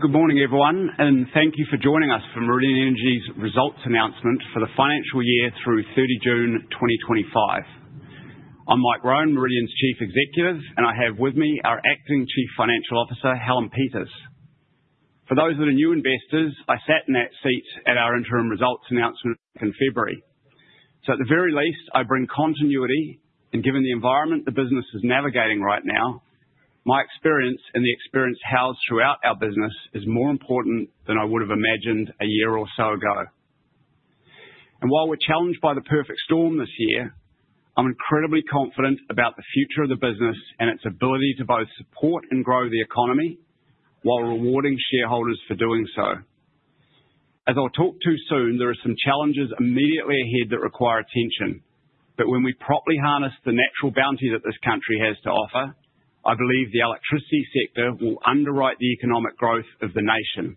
Good morning everyone and thank you for joining us for Meridian Energy's results announcement for the financial year through June 30, 2025. I'm Mike Roan, Meridian's Chief Executive, and I have with me our Acting Chief Financial Officer, Helen Peters, for those that are new investors. I sat in that seat at our interim results announcement in February, so at the very least I bring continuity. Given the environment the business is navigating right now, my experience, and the experience housed throughout our business, is more important than I would have imagined a year or so ago. While we're challenged by the perfect storm this year, I'm incredibly confident about the future of the business and its ability to both support and grow the economy while rewarding shareholders for doing so. As I'll talk to soon, there are some challenges immediately ahead that require attention. When we properly harness the natural bounty that this country has to offer, I believe the electricity sector will underwrite the economic growth of the nation.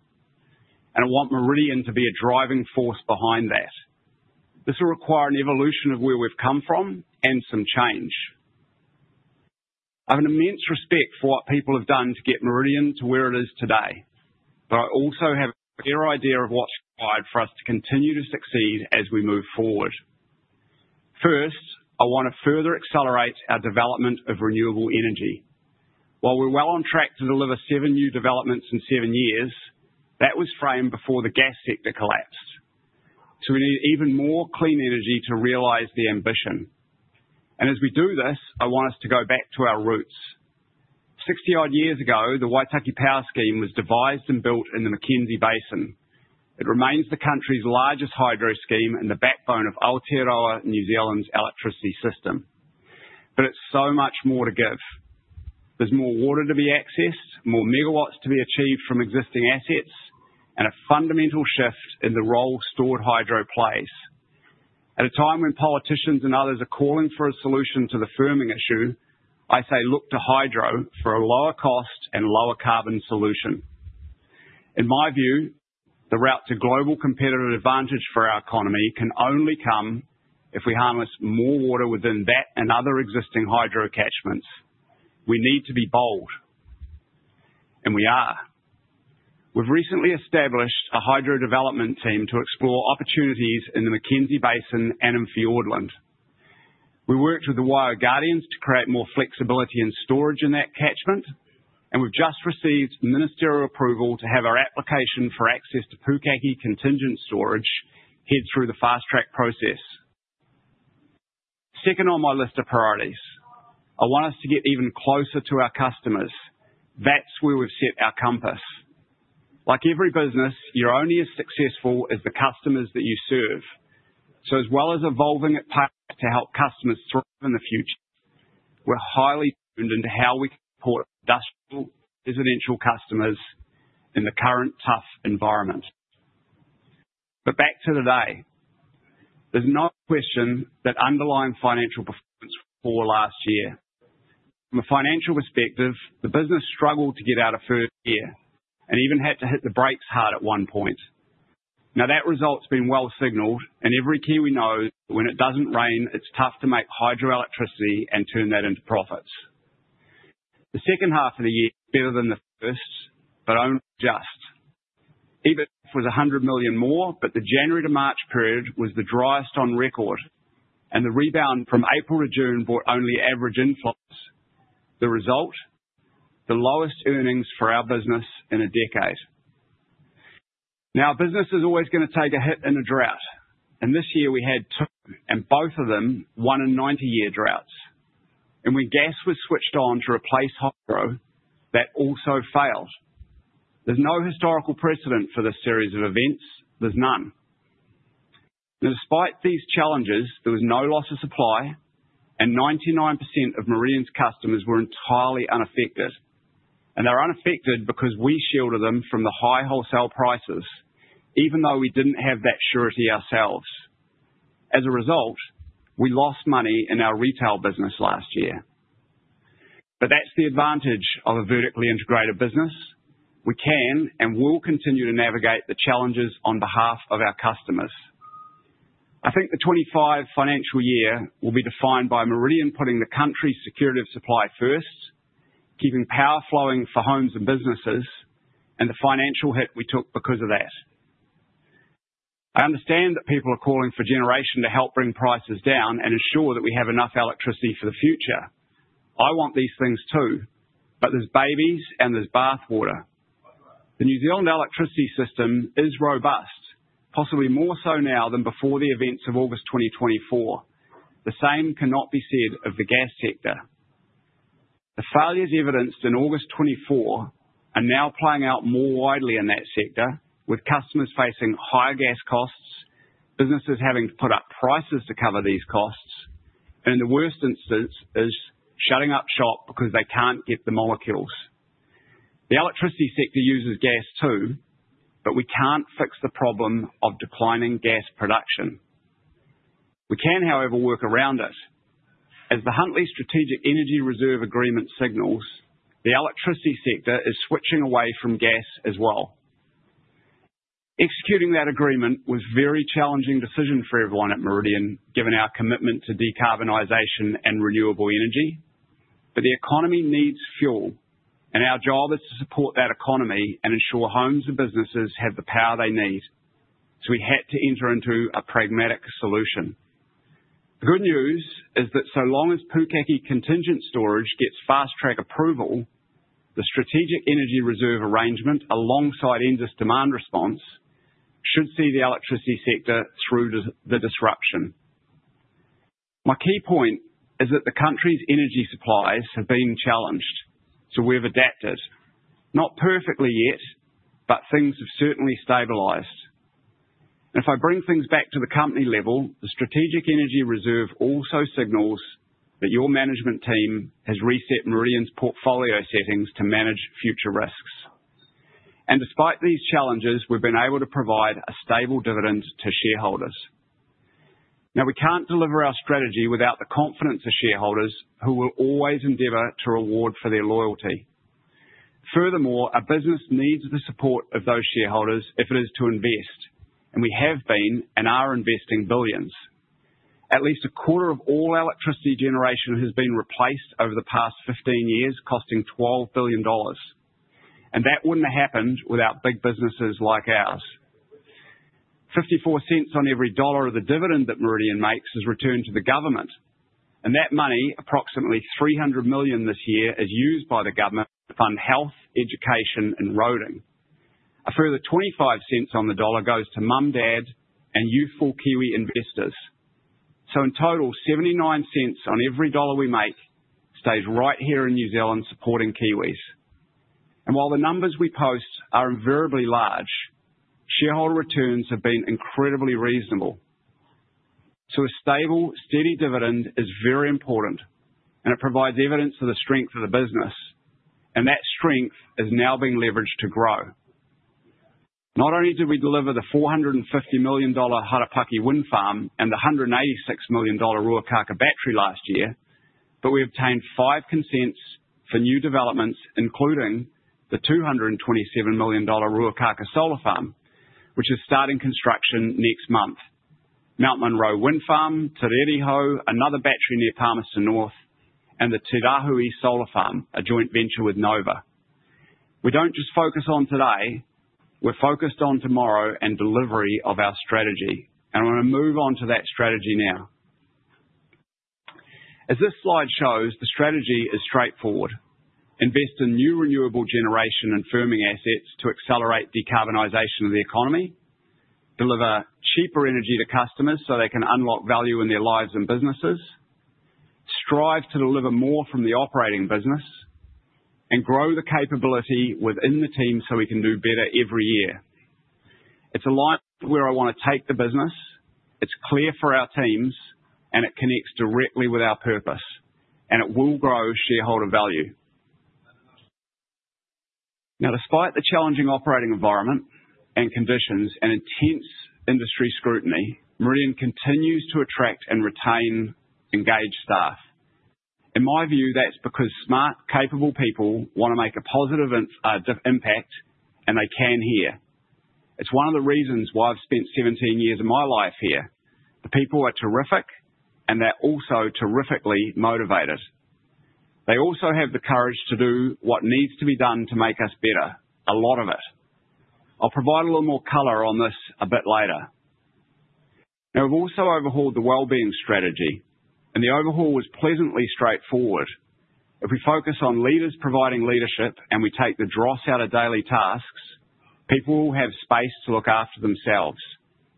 I want Meridian to be a driving force behind that. This will require an evolution of where we've come from and some change. I have an immense respect for what people have done to get Meridian to where it is today, but I also have a clear idea of what's required for us to continue to succeed as we move forward. First, I want to further accelerate our development of renewable energy while we're well on track to deliver seven new developments in seven years. That was framed before the gas sector collapsed. We need even more clean energy to realize the ambition. As we do this, I want us to go back to our roots. Sixty odd years ago, the Waitaki Hydro Scheme was devised and built in the Mackenzie Basin. It remains the country's largest hydro scheme and the backbone of Aotearoa, New Zealand's electricity system. It has so much more to give. There's more water to be accessed, more megawatts to be achieved from existing assets, and a fundamental shift in the role stored hydro plays. At a time when politicians and others are calling for a solution to the firming issue, I say look to hydro for a lower cost and lower carbon solution. In my view, the route to global competitive advantage for our economy can only come if we harness more water. Within that and other existing hydro catchments, we need to be bold. We are. We've recently established a hydro development team to explore opportunities in the Mackenzie Basin and in Fiordland. We worked with the Waitaki Guardians to create more flexibility and storage in that catchment. We've just received ministerial approval to have our application for access to Pukaki contingent storage head through the fast-track process. Second on my list of priorities, I want us to get even closer to our customers. That's where we've set our compass. Like every business, you're only as successful as the customers that you serve. As well as evolving at pace to help customers thrive in the future, we're highly tuned into how we can support industrial and residential customers in the current tough environment. Back to today, there's no question that underlying financial performance was poor last year. From a financial perspective, the business struggled to get out of first gear and even had to hit the brakes hard at one point. That result's been well signaled, and every Kiwi knows when it doesn't rain it's tough to make hydroelectricity and turn that into profits. The second half of the year was better than the first, but only just. EBITDA was 100 million more, but the January to March period was the driest on record, and the rebound from April to June brought only average inflows. The result? The lowest earnings for our business in a decade. Business is always going to take a hit in a drought, and this year we had two, and both of them were one in 90-year droughts. When gas was switched on to replace hydro, that also failed. There's no historical precedent for this series of events. There's none. Despite these challenges, there was no loss of supply, and 99% of Meridian's customers were entirely unaffected. They're unaffected because we shielded them from the high wholesale prices, even though we didn't have that surety ourselves. As a result, we lost money in our retail business last year. That's the advantage of a vertically integrated business. We can and will continue to navigate the challenges on behalf of our customers. I think the 2025 financial year will be defined by Meridian putting the country's security of supply first, keeping power flowing for homes and businesses, and the financial hit we took because of that. I understand that people are calling for generation to help bring prices down and ensure that we have enough electricity for the future. I want these things too, but there's babies and there's bath water. The New Zealand electricity system is robust, possibly more so now than before the events of August 2024. The same cannot be said of the gas sector. The failures evidenced in August 24 are now playing out more widely in that sector, with customers facing higher gas costs, businesses having to put up prices to cover these costs, and the worst instance is shutting up shop because they can't get the molecules. The electricity sector uses gas too, but we can't fix the problem of declining gas production. We can, however, work around it. As the Huntley Strategic Energy Reserve agreement signals, the electricity sector is switching away from gas as well. Executing that agreement was a very challenging decision for everyone at Meridian, given our commitment to decarbonization and renewable energy. The economy needs fuel and our job is to support that economy and ensure homes and businesses have the power they need. We had to enter into a pragmatic solution. The good news is that so long as Pukaki contingent storage gets fast track approval, the Strategic Energy Reserve arrangement alongside NZAS demand response should see the electricity sector through the disruption. My key point is that the country's energy supplies have been challenged, so we have adapted. Not perfectly yet, but things have certainly stabilized. If I bring things back to the company level, the Strategic Energy Reserve also signals that your management team has reset Meridian's portfolio settings to manage future risks. Despite these challenges, we've been able to provide a stable dividend to shareholders. We can't deliver our strategy without the confidence of shareholders, who we will always endeavor to reward for their loyalty. Furthermore, a business needs the support of those shareholders if it is to invest. We have been and are investing billions. At least a quarter of all electricity generation has been replaced over the past 15 years, costing 12 billion dollars. That wouldn't have happened without big businesses like ours. 0.54 on every dollar of the dividend that Meridian makes is returned to the government, and that money, approximately 300 million this year, is used by the government to fund health, education, and roading. A further 0.25 on the dollar goes to mum, dad, and youthful Kiwi investors. In total, 0.79 on every dollar we make stays right here in New Zealand supporting Kiwi. While the numbers we post are invariably large, shareholder returns have been incredibly reasonable. A stable, steady dividend is very important and it provides evidence of the strength of the business. That strength is now being leveraged to grow. Not only did we deliver the 450 million dollar Harapaki Wind Farm and the 186 million dollar Ruakākā Battery last year, but we obtained five consents for new developments, including the 227 million dollar Ruakākā Solar Farm, which is starting construction next month, Mt Munro Wind Farm, Te Rere Hau, another battery near Palmerston North, and the Te Rāhui Solar Farm, a joint venture with Nova. We don't just focus on today, we're focused on tomorrow and delivery of our strategy. I want to move on to that strategy now. As this slide shows, the strategy is straightforward. Invest in new renewable generation and firming assets to accelerate decarbonization of the economy. Deliver cheaper energy to customers so they can unlock value in their lives and businesses. Strive to deliver more from the operating business and grow the capability within the team so we can do better every year. It's a light where I want to take the business. It's clear for our teams and it connects directly with our purpose and it will grow shareholder value. Now, despite the challenging operating environment and conditions and intense industry scrutiny, Meridian continues to attract and retain engaged staff. In my view, that's because smart, capable people want to make a positive impact and they can here. It's one of the reasons why I've spent 17 years of my life here. The people are terrific and they're also terrifically motivated. They also have the courage to do what needs to be done to make us better. I'll provide a little more color on this a bit later. We've also overhauled the wellbeing strategy and the overhaul was pleasantly straightforward. If we focus on leaders providing leadership and we take the dross out of daily tasks, people will have space to look after themselves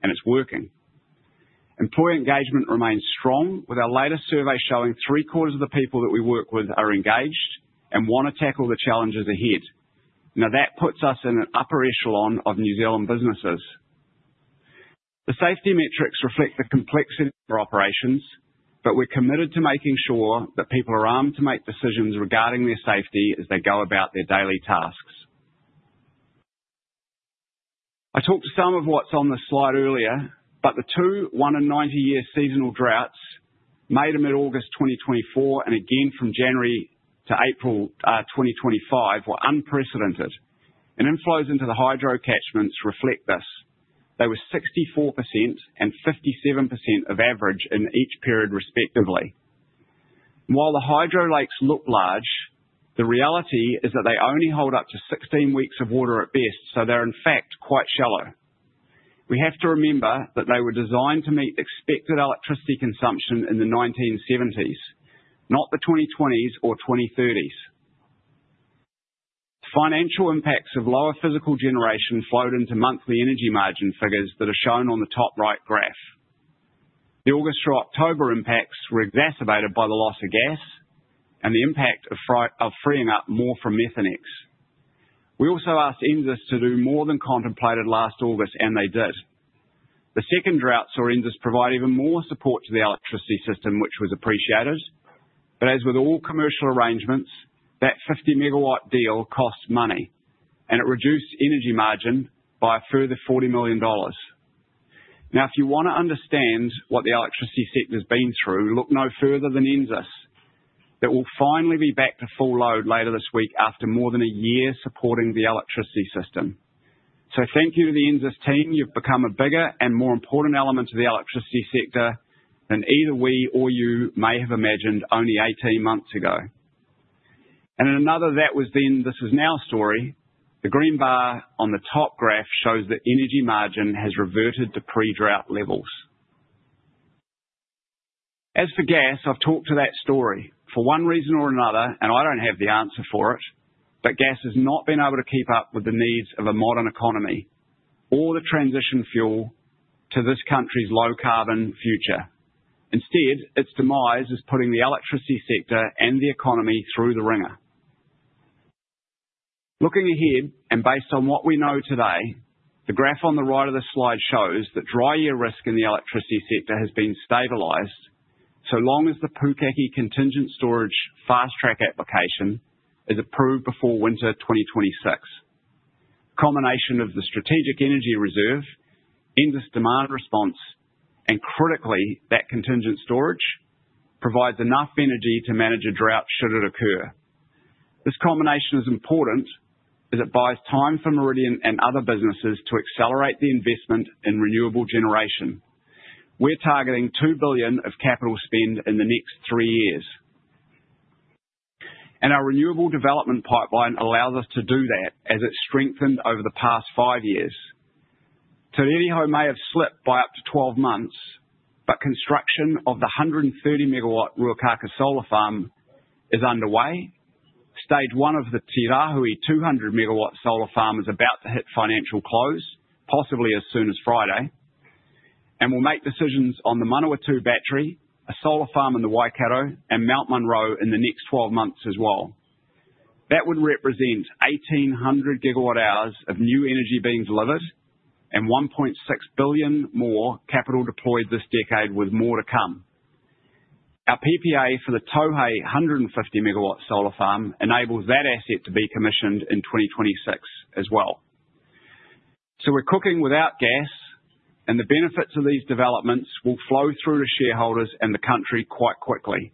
and it's working. Employee engagement remains strong with our latest survey showing three quarters of the people that we work with are engaged and want to tackle the challenges ahead. That puts us in an upper echelon of New Zealand businesses. The safety metrics reflect the complexity of our operations, but we're committed to making sure that people are armed to make decisions regarding their safety as they go about their daily tasks. I talked some of what's on the slide earlier, but the two 1/90 year seasonal droughts, May to mid August 2024 and again from January to April 2025, were unprecedented. Inflows into the hydro catchments reflect this. They were 64%-57% of average in each period, respectively. While the hydro lakes look large, the reality is that they only hold up to 16 weeks of water at best, so they're in fact quite shallow. We have to remember that they were designed to meet expected electricity consumption in the 1970s, not the 2020s or 2030s. Financial impacts of lower physical generation flowed into monthly energy margin figures that are shown on the top right graph. The August through October impacts were exacerbated by the loss of gas and the impact of freeing up more from Methanex. We also asked NZAS to do more than contemplated last August and they did. The second drought saw NZAS provide even more support to the electricity system, which was appreciated. As with all commercial arrangements, that 50 MW deal costs money and it reduced energy margin by a further 40 million dollars. If you want to understand what the electricity sector has been through, look no further than NZAS that will finally be back to full load later this week after more than a year supporting the electricity system. Thank you to the NZAS team. You've become a bigger and more important element of the electricity sector than either we or you may have imagined only 18 months ago. In another that was then, this is now story, the green bar on the top graph shows that energy margin has reverted to pre-drought levels. As for gas, I've talked to that story for one reason or another and I don't have the answer for it. Gas has not been able to keep up with the needs of a modern economy or the transition fuel to this country's low carbon future. Instead, its demise is putting the electricity sector and the economy through the wringer. Looking ahead and based on what we know today, the graph on the right of the slide shows that dry year risk in the electricity sector has been stabilized so long as the Pukaki Contingent Storage Fast Track application is approved before winter 2026. The combination of the Strategic Energy Reserve, endless demand response, and critically that contingent storage provides enough energy to manage a drought should it occur. This combination is important as it buys time for Meridian and other businesses to accelerate the investment in renewable generation. We're targeting 2 billion of capital spend in the next three years, and our renewable development pipeline allows us to do that as it's strengthened over the past five years. Te Rere Hau may have slipped by up to 12 months, but construction of the 130 MW Ruakākā Solar Farm is underway. Stage one of the Te Rāhui 200 MW solar farm is about to hit financial close, possibly as soon as Friday, and will make decisions on the Manawatū Battery, a solar farm in the Waikato, and Mt Munro in the next 12 months as well. That would represent 1,800 GW hours of new energy being delivered and 1.6 billion more capital deployed this decade, with more to come. Our PPA for the Tauhei 150 MW solar farm enables that asset to be commissioned in 2026 as well. We're cooking without gas, and the benefits of these developments will flow through to shareholders and the country quite quickly.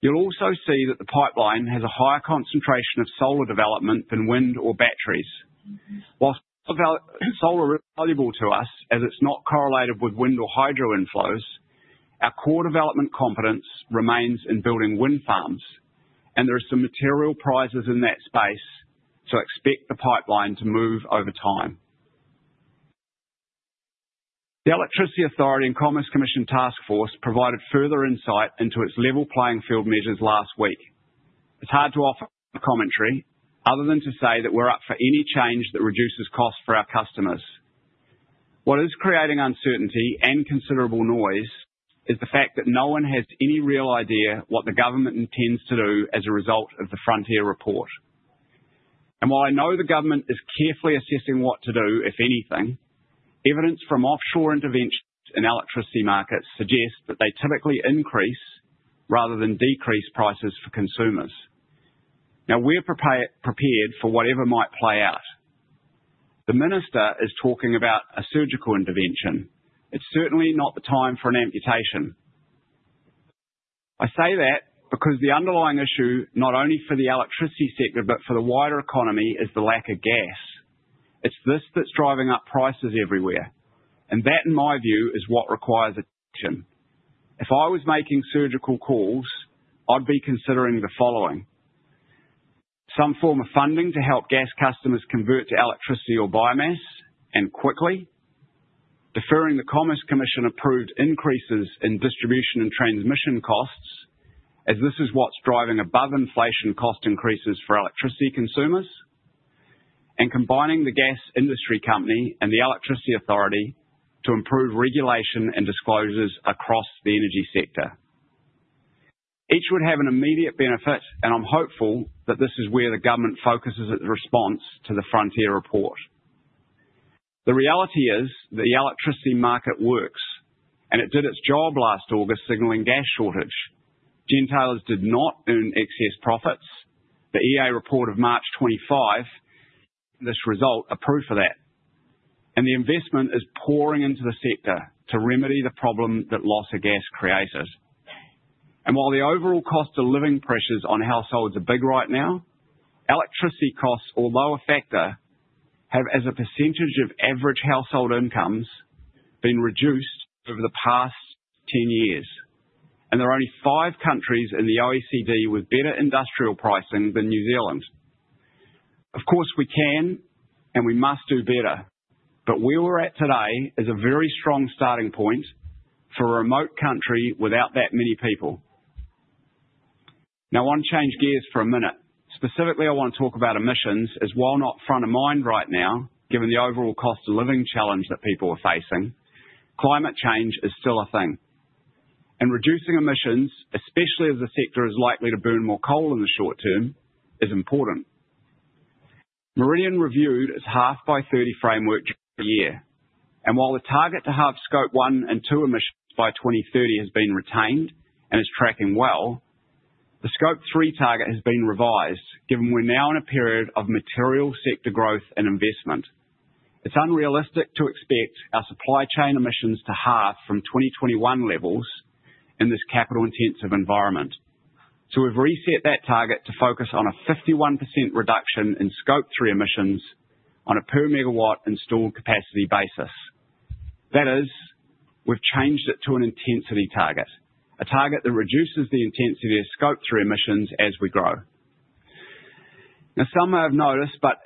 You'll also see that the pipeline has a higher concentration of solar development than wind or batteries. Whilst solar is valuable to us as it's not correlated with wind or hydro inflows, our core development competence remains in building wind farms, and there are some material prizes in that space. Expect the pipeline to move over time. The Electricity Authority and Commerce Commission task force provided further insight into its level playing field measures last week. It's hard to offer commentary other than to say that we're up for any change that reduces cost for our customers. What is creating uncertainty and considerable noise is the fact that no one has any real idea what the government intends to do as a result of the Frontiers Report. I know the government is carefully assessing what to do, if anything. Evidence from offshore interventions in electricity markets suggests that they typically increase rather than decrease prices for consumers. We are prepared for whatever might play out. The Minister is talking about a surgical intervention. It's certainly not the time for an amputation. I say that because the underlying issue, not only for the electricity sector but for the wider economy, is the lack of gas. It's this that's driving up prices everywhere, and that in my view, is what requires attention. If I was making surgical calls, I'd be considering the following. Some form of funding to help gas customers convert to electricity or biomass and quickly deferring the Commerce Commission approved increases in distribution and transmission costs, as this is what's driving above inflation cost increases for electricity consumers, and combining the gas industry company and the Electricity Authority to improve regulation and disclosures across the energy sector. Each would have an immediate benefit. I'm hopeful that this is where the government focuses its response to the Frontiers Report. The reality is the electricity market works, and it did its job last August signaling gas shortage. [Generators] did not earn excess profits. The EA report of March 25, this result approved for that, and the investment is pouring into the sector to remedy the problem that loss of gas created. While the overall cost of living pressures on households are big right now, electricity costs, although a factor, have as a percentage of average household incomes been reduced over the past 10 years. There are only five countries in the OECD with better industrial pricing than New Zealand. Of course, we can and we must do better. Where we're at today is a very strong starting point for a remote country without that many people. Now, I want to change gears for a minute. Specifically, I want to talk about emissions, as while not front of mind right now, given the overall cost of living challenge that people are facing, climate change is still a thing and reducing emissions, especially as the sector is likely to burn more coal in the short term, is important. Meridian reviewed its half by 30 framework year, and while the target to halve scope 1 and 2 emissions by 2030 has been retained and is tracking well, the scope 3 target has been revised. Given we're now in a period of material sector growth and investment, it's unrealistic to expect our supply chain emissions to halve from 2021 levels in this capital intensive environment. We've reset that target to focus on a 51% reduction in scope 3 emissions on a per megawatt installed capacity basis. That is, we've changed it to an intensity target, a target that reduces the intensity of scope 3 emissions as we grow. Some may have noticed, but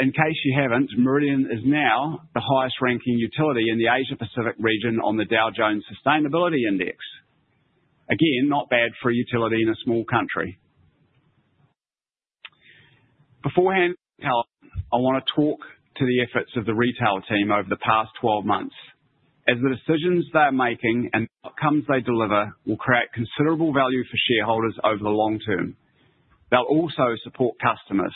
in case you haven't, Meridian is now the highest ranking utility in the Asia Pacific region on the Dow Jones Sustainability Index. Again, not bad for a utility in a small country. Beforehand, talent, I want to talk to the efforts of the retail team over the past 12 months as the decisions they are making and outcomes they deliver will create considerable value for shareholders over the long term. They'll also support customers.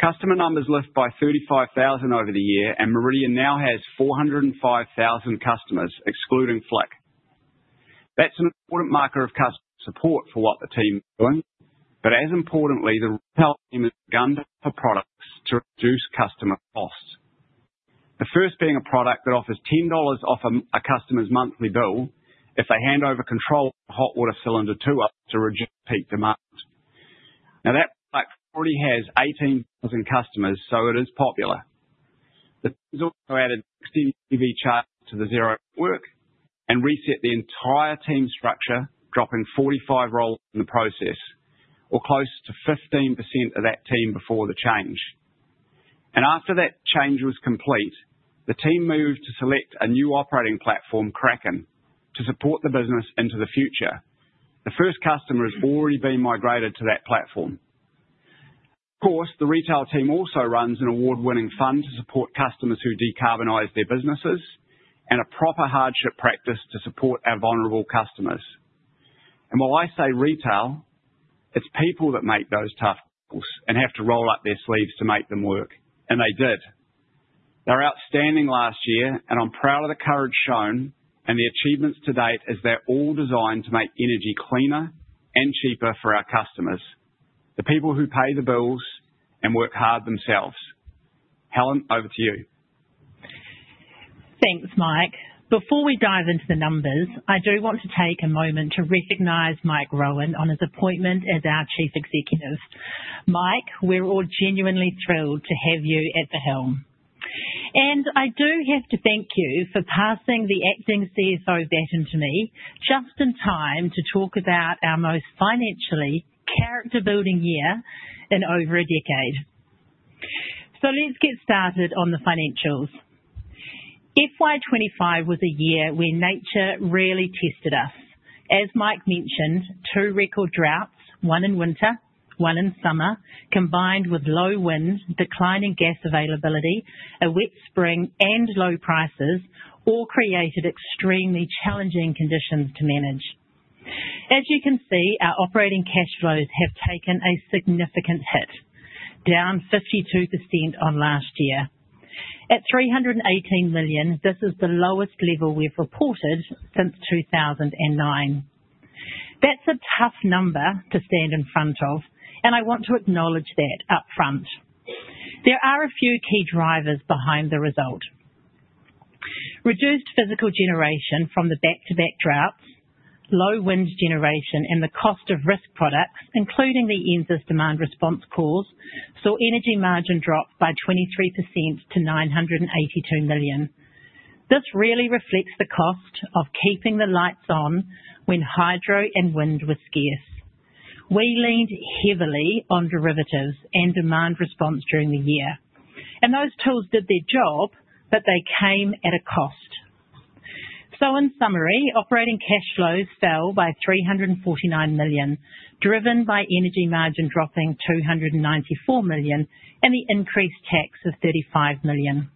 Customer numbers lift by 35,000 over the year and Meridian now has 405,000 customers, excluding flux. That's an important marker of customer support for what the team is doing. As importantly, the retail team has begun to offer products to reduce customer costs, the first being a product that offers 10 dollars off a customer's monthly bill if they hand over control of the hot water cylinder to us to reduce peak demand. That product already has 18,000 customers, so it is popular. The added CDV charts to the Zero work and reset the entire team structure, dropping 45 roles in the process or close to 15% of that team before the change. After that change was complete, the team moved to select a new operating platform, Kraken, to support the business into the future. The first customer has already been migrated to that platform, of course. The retail team also runs an award-winning fund to support customers who decarbonize their businesses and a proper hardship practice to support our vulnerable customers. While I say retail, it's people that make those tough and have to roll up their sleeves to make them work. They did. They were outstanding last year and I'm proud of the courage shown and the achievements to date as they're all designed to make energy cleaner and cheaper for our customers, the people who pay the bills and work hard themselves. Helen, over to you. Thanks, Mike. Before we dive into the numbers, I do want to take a moment to recognize Mike Roan on his appointment as our Chief Executive. Mike, we're all genuinely thrilled to have you at the helm, and I do have to thank you for passing the acting CFO baton to me just in time to talk about our most financially character-building year in over a decade. Let's get started on the financials. FY 2025 was a year when nature really tested us. As Mike mentioned, two record droughts, one in winter, one in summer, combined with low wind, declining gas availability, a wet spring, and low prices all created extremely challenging conditions to manage. As you can see, our operating cash flows have taken a significant hit, down 52% on last year at 318 million. This is the lowest level we've reported since 2009. That's a tough number to stand in front of, and I want to acknowledge that up front. There are a few key drivers behind the result: reduced physical generation from the back-to-back droughts, low wind generation, and the cost of risk products, including the NZAS demand response calls, saw energy margin drop by 23% to 982 million. This really reflects the cost of keeping the lights on when hydro and wind were scarce. We leaned heavily on derivatives and demand response during the year, and those tools did their job, but they came at a cost. In summary, operating cash flows fell by 349 million, driven by energy margin dropping 294 million and the increased tax of 35 million.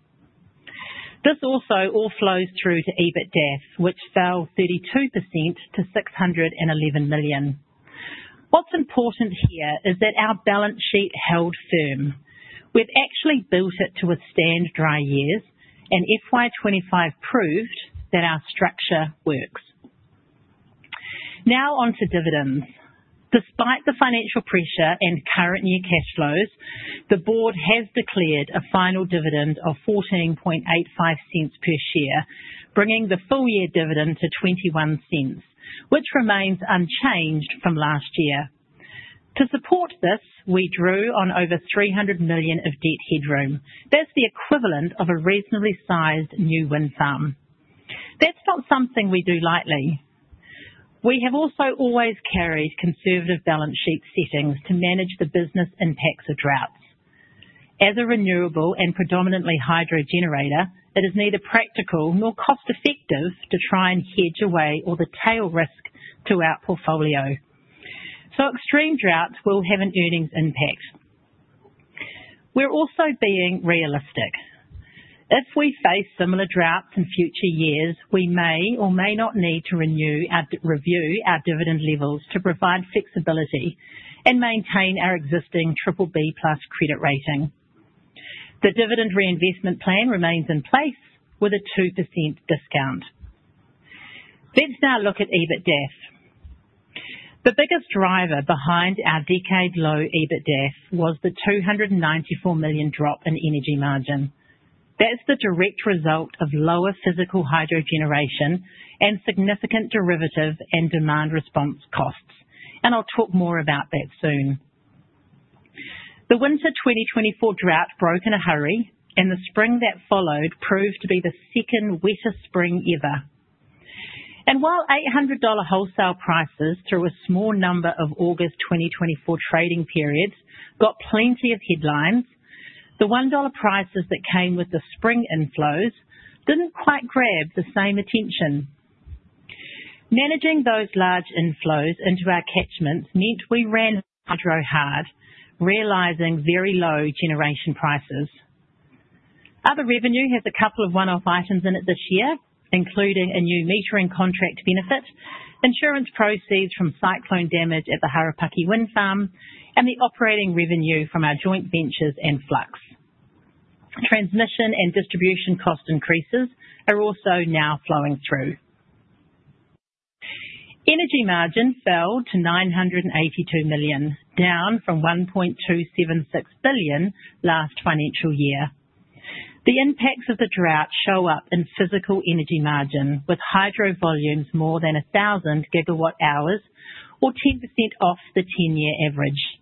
This also all flows through to EBITDA, which fell 32% to 611 million. What's important here is that our balance sheet held firm. We've actually built it to withstand dry years, and FY 2025 proved that our structure works. Now onto dividends. Despite the financial pressure and current year cash flows, the board has declared a final dividend of 14.85 per share, bringing the full year dividend to 0.21, which remains unchanged from last year. To support this, we drew on over 300 million of debt headroom. That's the equivalent of a reasonably sized new wind farm. That's not something we do lightly. We have also always carried conservative balance sheet settings to manage the business impacts of droughts. As a renewable and predominantly hydro generator, it is neither practical nor cost effective to try and hedge away all the tail risk to our portfolio, so extreme droughts will have an earnings impact. We're also being realistic. If we face similar droughts in future years, we may or may not need to review our dividend levels to provide flexibility and maintain our existing BBB credit rating. The dividend reinvestment plan remains in place with a 2% discount. Let's now look at EBITDA. The biggest driver behind our decade-low EBITDA was the 294 million drop in energy margin. That's the direct result of lower physical hydro generation and significant derivative and demand response costs, and I'll talk more about that soon. The winter 2024 drought broke in a hurry, and the spring that followed proved to be the second wettest spring ever. While 800 dollar wholesale prices through a small number of August 2024 trading periods got plenty of headlines, the 1 dollar prices that came with the spring inflows didn't quite grab the same attention. Managing those large inflows into our catchments meant we ran hydro hard, realizing very low generation prices. Other revenue has a couple of one-off items in it this year, including a new metering contract, benefit insurance proceeds from cyclone damage at the Harapaki Wind Farm, and the operating revenue from our joint ventures. Flux transmission and distribution cost increases are also now flowing through. Energy margin fell to 982 million, down from 1.276 billion last financial year. The impacts of the drought show up in physical energy margin, with hydro volumes more than 1,000 GW hours, or 10% off the 10-year average.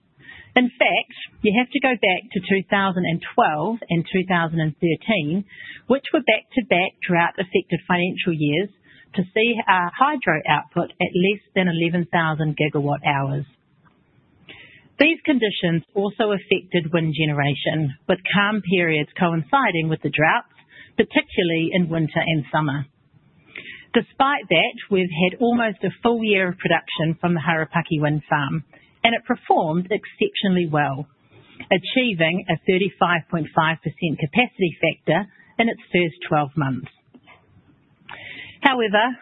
In fact, you have to go back to 2012 and 2013, which were back-to-back drought-affected financial years, to see hydro output at less than 11,000 GW hours. These conditions also affected wind generation, with calm periods coinciding with the droughts, particularly in winter and summer. Despite that, we've had almost a full year of production from the Harapaki Wind Farm, and it performed exceptionally well, achieving a 35.5% capacity factor in its first 12 months. However,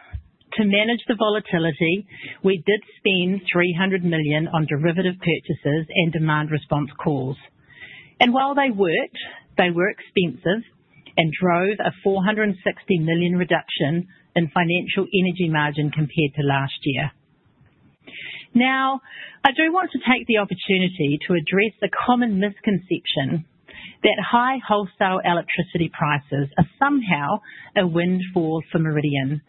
to manage the volatility, we did spend 300 million on derivative purchases and demand response calls. While they worked, they were expensive and drove a 460 million reduction in financial energy margin compared to last year. I do want to take the opportunity to address the common misconception that high wholesale electricity prices are somehow a windfall. For Meridian,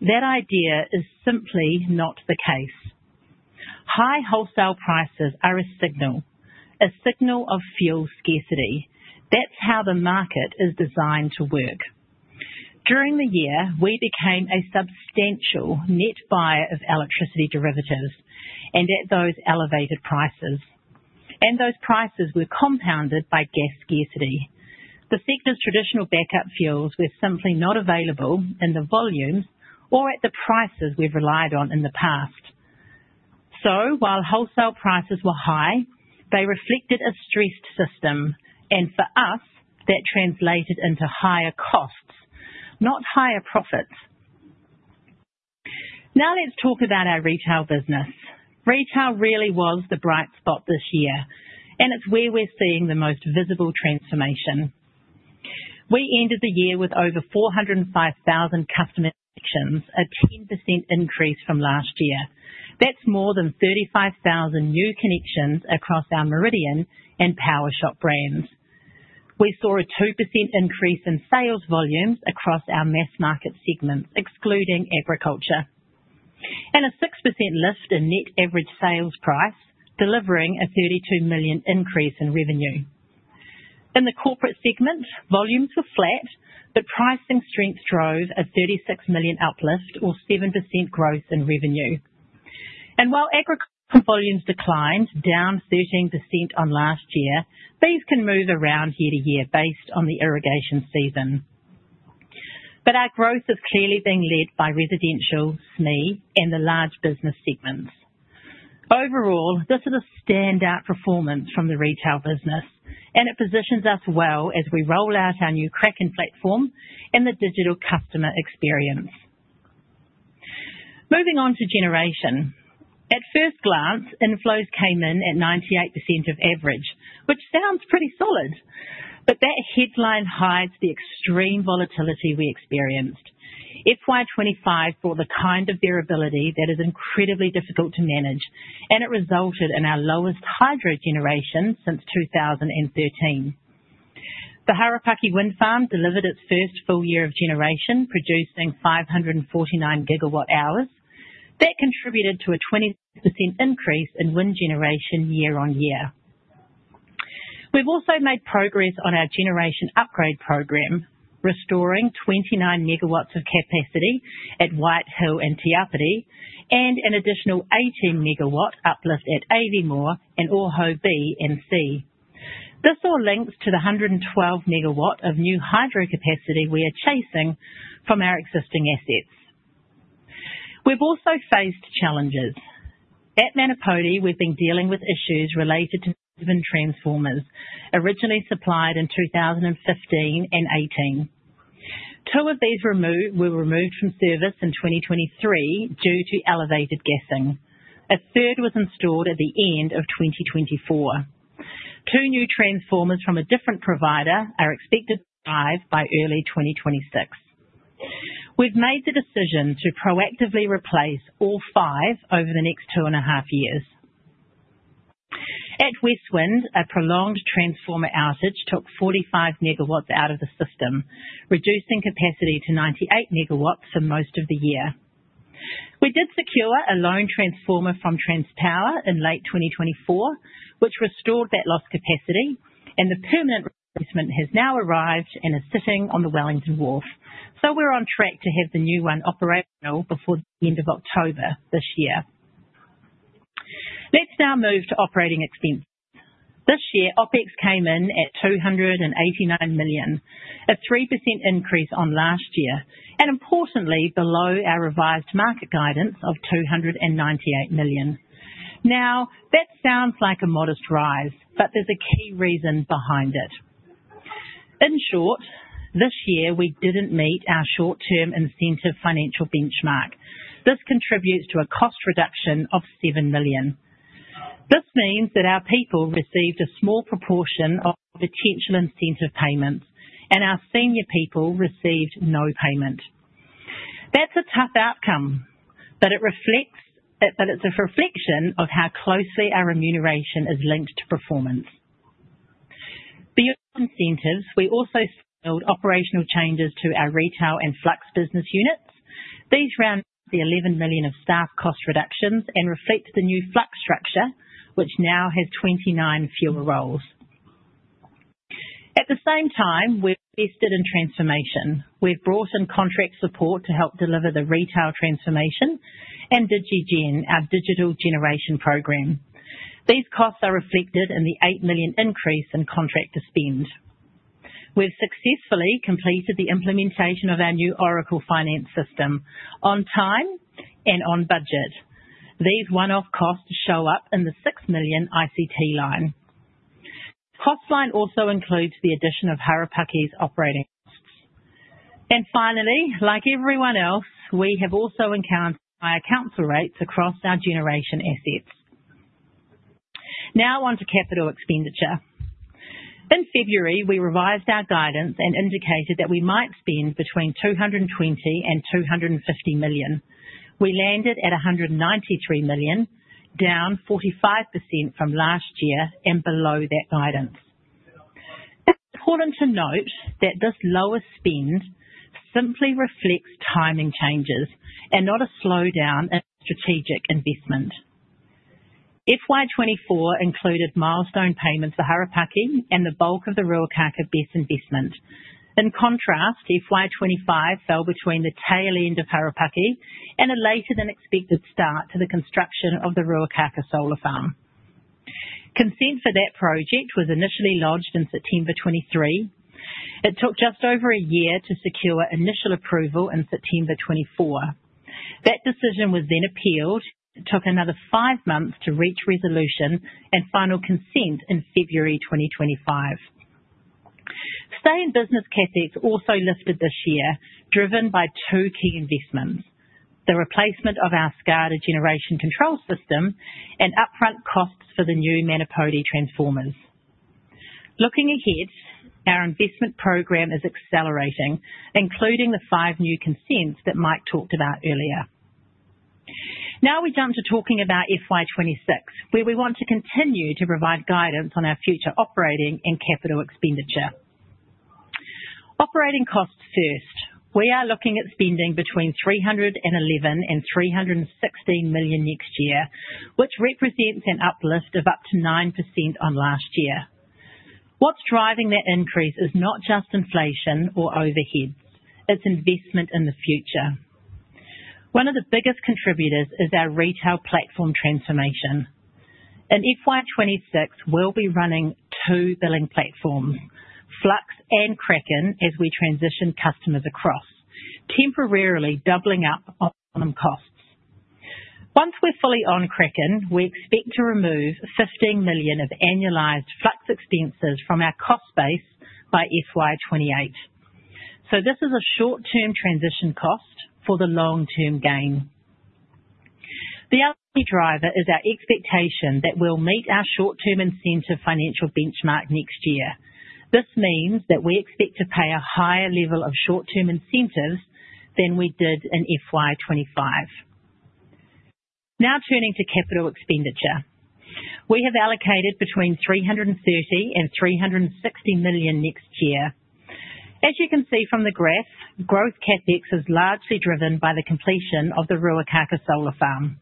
that idea is simply not the case. High wholesale prices are a signal, a signal of fuel scarcity. That's how the market is designed to work. During the year we became a substantial net buyer of electricity derivatives, and at those elevated prices, and those prices were compounded by gas scarcity, the sector's traditional backup fuels were simply not available in the volumes or at the prices we've relied on in the past. While wholesale prices were high, they reflected a stressed system and for us, that translated into higher costs, not higher profits. Now, let's talk about our retail business. Retail really was the bright spot this year, and it's where we're seeing the most visible transformation. We ended the year with over 405,000 customer connections, a 10% increase from last year. That's more than 35,000 new connections across our Meridian and Powershop brands. We saw a 2% increase in sales volumes across our mass market segment, excluding agriculture, and a 6% lift in net average sales price, delivering a 32 million increase in revenue. In the corporate segment, volumes were flat, but pricing strength drove a 36 million uplift, or 7% growth in revenue. While agricultural volumes declined, down 13% on last year, these can move around year-to-year based on the irrigation season, but our growth is clearly being led by residential, SME, and the large business segments. Overall, this is a standout performance from the retail business and it positions us well as we roll out our new Kraken platform and the digital customer experience. Moving on to generation. At first glance, inflows came in at 98% of average, which sounds pretty solid, but that headline hides the extreme volatility we experienced. FY 2025 brought the kind of durability that is incredibly difficult to manage, and it resulted in our lowest hydro generation since 2013. The Harapaki Wind Farm delivered its first full year of generation, producing 549 GW hours. That contributed to a 20% increase in wind generation year on year. We've also made progress on our generation upgrade program, restoring 29 MW of capacity at White Hill and Te Āpiti and an additional 18 MW uplift at Aviemore and Ōhau B and C. This all links to the 112 MW of new hydro capacity we are chasing from our existing assets. We've also faced challenges at Manapōuri. We've been dealing with issues related to driven transformers originally supplied in 2015 and 2018. Two of these were removed from service in 2023 due to elevated gassing. A third was installed at the end of 2024. Two new transformers from a different provider are expected to arrive by early 2026. We've made the decision to proactively replace all five over the next 2.5 years. At West Wind, a prolonged transformer outage took 45 MW out of the system, reducing capacity to 98 MW for most of the year. We did secure a loan transformer from Transpower in late 2024, which restored that lost capacity, and the permit has now arrived and is sitting on the Wellington wharf. We're on track to have the new one operational before the end of October this year. Let's now move to operating expense. This year OpEx came in at 289 million, a 3% increase on last year and importantly below our revised market guidance of 298 million. That sounds like a modest rise, but there's a key reason behind it. In short, this year we didn't meet our short-term incentive financial benchmark. This contributes to a cost reduction of 7 million. This means that our people received a small proportion of potential incentive payments and our senior people received no payment. That's a tough outcome, but it's a reflection of how closely our remuneration is linked to performance. Beyond incentives, we also scaled operational changes to our retail and Flux business units. These round the 11 million of staff cost reductions and reflect the new Flux structure, which now has 29 fewer roles. At the same time, we've invested in transformation. We've brought in contract support to help deliver the retail transformation and DigiGEN, our digital generation program. These costs are reflected in the 8 million increase in contractor spend. We've successfully completed the implementation of our new Oracle Finance system on time and on budget. These one-off costs show up in the 6 million ICT line. The cost line also includes the addition of Harapaki's operating, and finally, like everyone else, we have also encountered higher council rates across our generation assets. Now onto capital expenditure. In February, we revised our guidance and indicated that we might spend between 220 million-250 million. We landed at 193 million, down 45% from last year and below that guidance. It's important to note that this lower spend simply reflects timing changes and not a slowdown at strategic investment. FY 2024 included milestone payments for Harapaki and the bulk of the Ruakākā Battery and Solar Farm investment. In contrast, FY 2025 fell between the tail end of Harapaki and a later than expected start to the construction of the Ruakākā Solar Farm. Consent for that project was initially lodged in September 2023. It took just over a year to secure initial approval in September 2024. That decision was then appealed. It took another five months to reach resolution and final consent in February 2025. Stay in business capex also lifted this year, driven by two key investments: the replacement of our SCADA generation control system and upfront costs for the new Manapōuri transformers. Looking ahead, our investment program is accelerating, including the five new consents that Mike talked about earlier. Now we jump to talking about FY 2026, where we want to continue to provide guidance on our future operating and capital expenditure on operating costs. First, we are looking at spending between 311 million-316 million next year, which represents an uplift of up to 9% on last year. What's driving that increase is not just inflation or overhead, it's investment in the future. One of the biggest contributors is our retail platform transformation in FY 2026. We'll be running two billing platforms, Flux and Kraken, as we transition customers across, temporarily doubling up on costs. Once we're fully on Kraken, we expect to remove 15 million of annualized Flux expenses from our cost base by FY 2028. This is a short-term transition cost for the long-term gain. The other driver is our expectation that we'll meet our short-term incentive financial benchmark next year. This means that we expect to pay a higher level of short-term incentives than we did in FY 2025. Now turning to capital expenditure, we have allocated between 330 million-360 million next year. As you can see from the graph, growth capex is largely driven by the completion of the Ruakākā Solar Farm.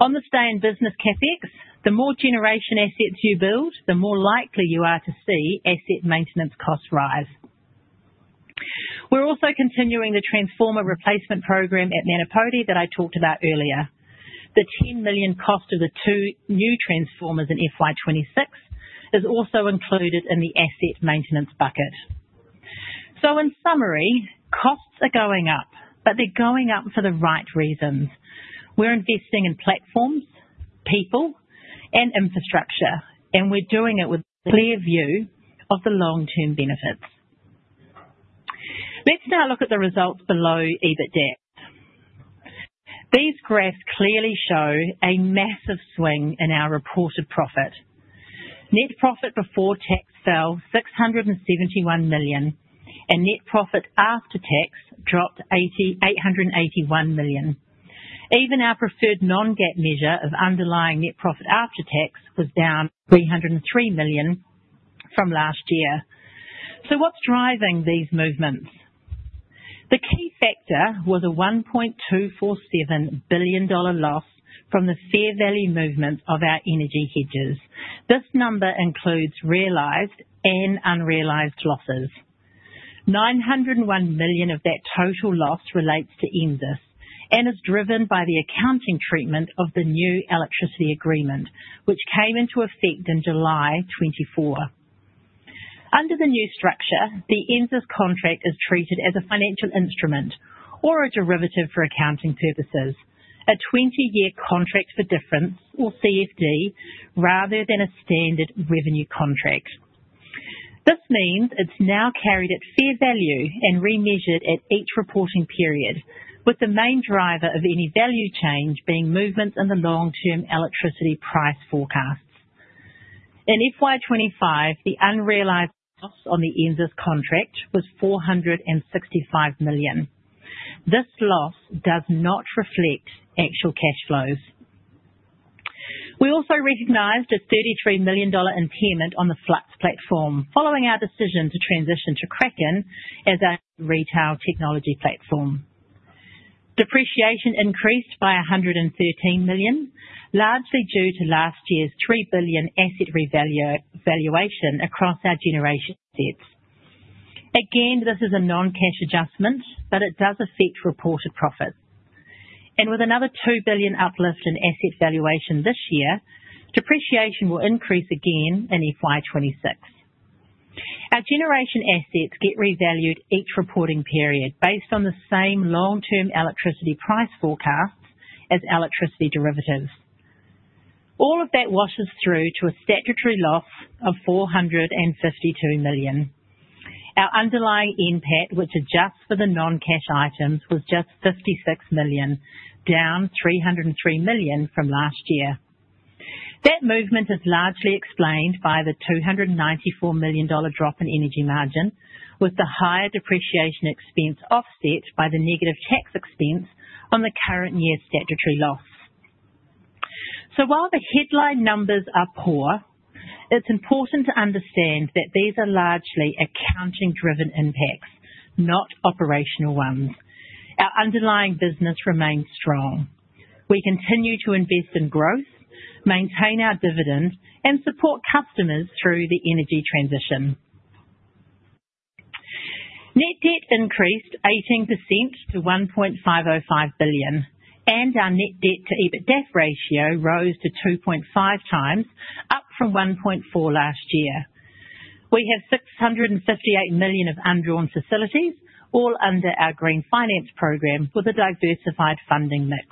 On the stay in business capex, the more generation assets you build, the more likely you are to see asset maintenance costs rise. We're also continuing the transformer replacement program at Manapōuri that I talked about earlier. The 10 million cost of the two new transformers in FY 2026 is also included in the asset maintenance bucket. In summary, costs are going up, but they're going up for the right reasons. We're investing in platforms, people, and infrastructure, and we're doing it with a clear view of the long-term benefits. Let's now look at the results below. EBITDA. These graphs clearly show a massive swing in our reported profit. Net profit before tax fell 671 million and net profit after tax dropped 881 million. Even our preferred non-GAAP measure of underlying net profit after tax was down 303 million from last year. What's driving these movements? The key factor was a 1.247 billion dollar loss from the fair value movement of our energy hedges. This number includes realized energy and unrealized losses. 901 million of that total loss relates to NZAS and is driven by the accounting treatment of the new electricity agreement which came into effect in July 2024. Under the new structure, the NZAS contract is treated as a financial instrument or a derivative for accounting purposes. A 20-year contract for difference, or CFD, rather than a standard revenue contract. This means it's now carried at fair value and remeasured at each reporting period, with the main driver of any value change being movement in the long-term electricity price forecasts. In FY 2025, the unrealized cost on the NZAS contract was 465 million. This loss does not reflect NZAS's actual cash flows. We also recognized a 33 million dollar impairment on the Flux platform following our decision to transition to Kraken as a retail technology platform. Depreciation increased by 113 million, largely due to last year's 3 billion asset revaluation across our generation assets. Again, this is a non-cash adjustment, but it does affect reported profits, and with another 2 billion uplift in asset valuation this year, depreciation will increase again in FY 2026. Our generation assets get revalued each reporting period based on the same long-term electricity price forecasts as electricity derivatives. All of that washes through to a statutory loss of 452 million. Our underlying NPAT, which adjusts for the non-cash items, was just 305.6 million, down 303 million from last year. That movement is largely explained by the 294 million dollar drop in energy margin, with the higher depreciation expense offset by the negative tax expense on the current year statutory loss. While the headline numbers are poor, it's important to understand that these are largely accounting-driven impacts, not operational ones. Our underlying business remains strong. We continue to invest in growth, maintain our dividend, and support customers through the energy transition. Net debt increased 18% to 1.505 billion, and our net debt to EBITDA ratio rose to 2.5x, up from 1.4x last year. We have 658 million of undrawn facilities all under our Green Finance program with a diversified funding mix.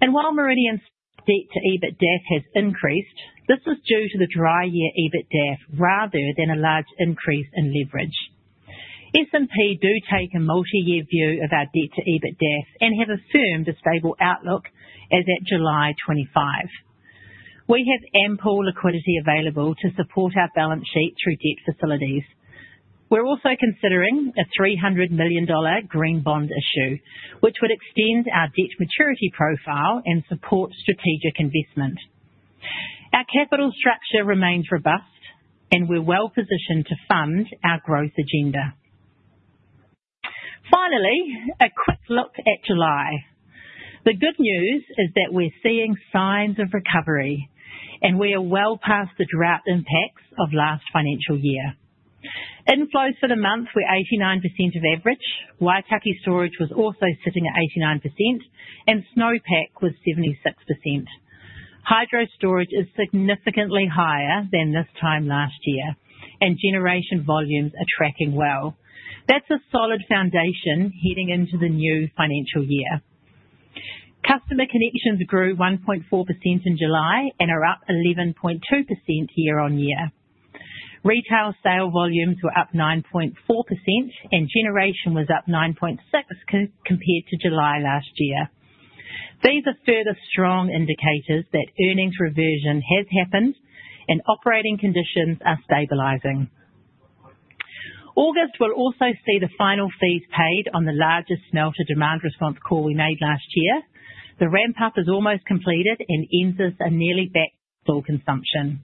While Meridian's debt to EBITDA has increased, this is due to the dry year EBITDA rather than a large increase in leverage. S&P do take a multi-year view of our debt to EBITDA and have assumed a stable outlook. As at July 25, we have ample liquidity available to support our balance sheet through debt facilities. We're also considering a 300 million dollar green bond issue, which would extend our debt maturity profile and support strategic investment. Our capital structure remains robust and we're well positioned to fund our growth agenda. Finally, a quick look at July. The good news is that we're seeing signs of recovery and we are well past the drought impacts of last financial year. Inflows for the month were 89% of average. Waitaki storage was also sitting at 89% and snowpack was 76%. Hydro storage is significantly higher than this time last year and generation volumes are tracking well. That's a solid foundation heading into the new financial year. Customer connections grew 1.4% in July and are up 11.2% year-on-year. Retail sale volumes were up 9.4% and generation was up 9.6% compared to July last year. These are further strong indicators that earnings reversion has happened and operating conditions are stabilizing. August will also see the final fees paid on the largest smelter demand response call we made last year. The ramp up is almost completed and NZAS are nearly back to full consumption.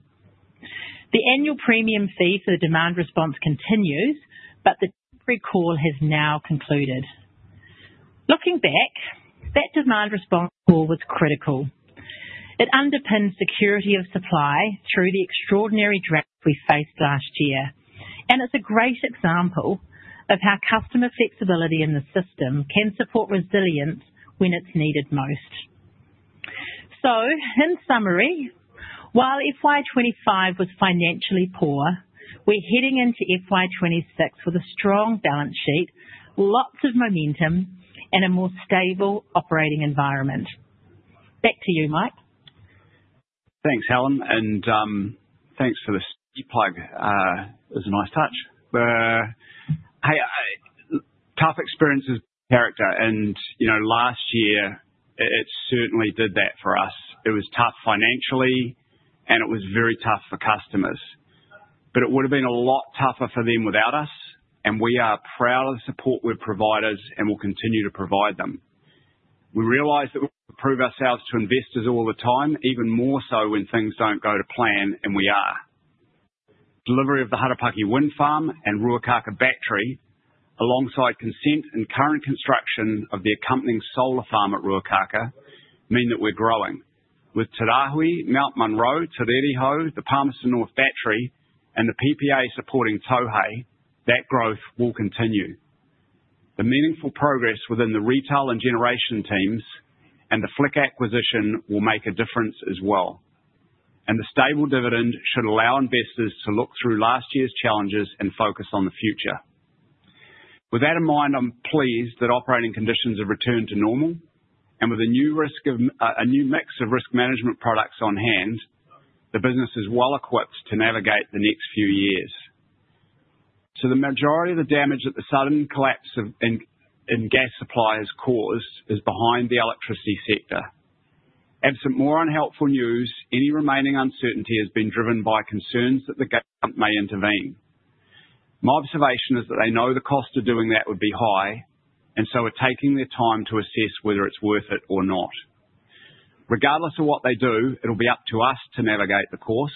The annual premium fee for the demand response continues but the recall has now concluded. Looking back, that demand response call was critical. It underpins security of supply through the extraordinary drought we faced last year and it's a great example of how customer flexibility in the system can support resilience when it's needed most. In summary, while FY 2025 was financially poor, we're heading into FY 2026 with a strong balance sheet, lots of momentum, and a more stable operating environment. Back to you, Mike. Thanks, Helen, and thanks for the plug. It was a nice touch. Tough experiences build character and, you know, last year it certainly did that for us. It was tough financially and it was very tough for customers, but it would have been a lot tougher for them without us and we are proud of the support we've provided and we'll continue to provide them. We realize that we prove ourselves to investors all the time, even more so when things don't go to plan. The delivery of the Harapaki Wind Farm and Ruakākā Battery alongside consent and current construction of the accompanying solar farm at Ruakākā mean that we're growing. With Te Rāhui, Mt Munro, Te Rere Hau, the Palmerston North Battery and the PPA supporting that, growth will continue. The meaningful progress within the retail and generation teams and the Flux acquisition will make a difference as well, and the stable dividend should allow investors to look through last year's challenges and focus on the future. With that in mind, I'm pleased that operating conditions have returned to normal and with a new mix of risk management products on hand, the business is well equipped to navigate the next few years. The majority of the damage that the sudden collapse in gas supply has caused is behind the electricity sector. Absent more unhelpful news, any remaining uncertainty has been driven by concerns that the government may intervene. My observation is that they know the cost of doing that would be high and are taking their time to assess whether it's worth it or not. Regardless of what they do, it'll be up to us to navigate the course.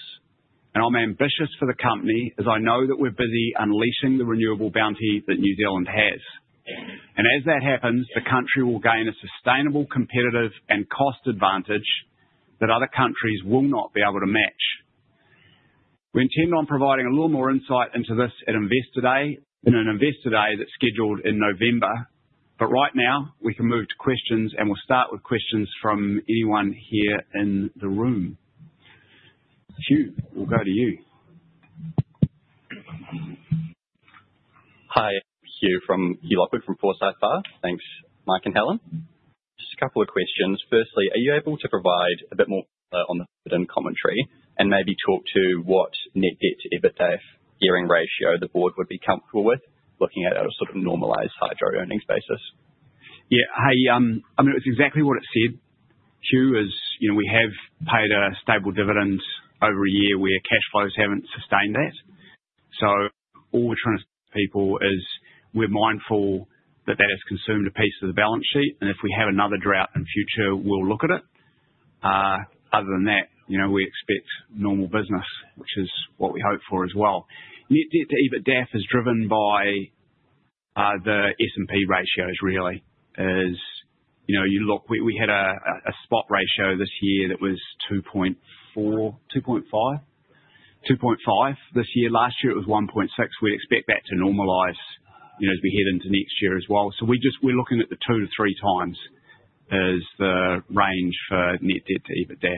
I'm ambitious for the company as I know that we're busy unleashing the renewable bounty that New Zealand has. As that happens, the country will gain a sustainable, competitive, and cost advantage that other countries will not be able to match. We intend on providing a little more insight into this at Investor Day, an Investor Day that's scheduled in November. Right now we can move to questions and we'll start with questions from anyone here in the room. Hugh, we'll go to you. Hi, Hugh Lockwood from Forsyth Barr. Thanks, Mike and Helen. Just a couple of questions. Firstly, are you able to provide a bit more on the bidding commentary and maybe talk to what net debt to EBITDA gearing ratio the board would be comfortable with looking at a sort of normalized hydro earnings basis? Yeah, hey, it was exactly what it said, Hugh, is we have paid a stable dividend over a year where cash flows haven't sustained that. All we're trying to tell people is we're mindful that that has consumed a piece of the balance sheet, and if we have another drought in future, we'll look at it. Other than that, we expect normal business, which is what we hope for as well. Net debt to EBITDA is driven by the S&P ratios. Really is. You know, you look, we had a spot ratio this year that was 2.4x, 2.5x, 2.5x this year. Last year it was 1.6x. We expect that to normalize, you know, as we head into next year as well. We're looking at the 2x-3x as the range for net debt to EBITDA.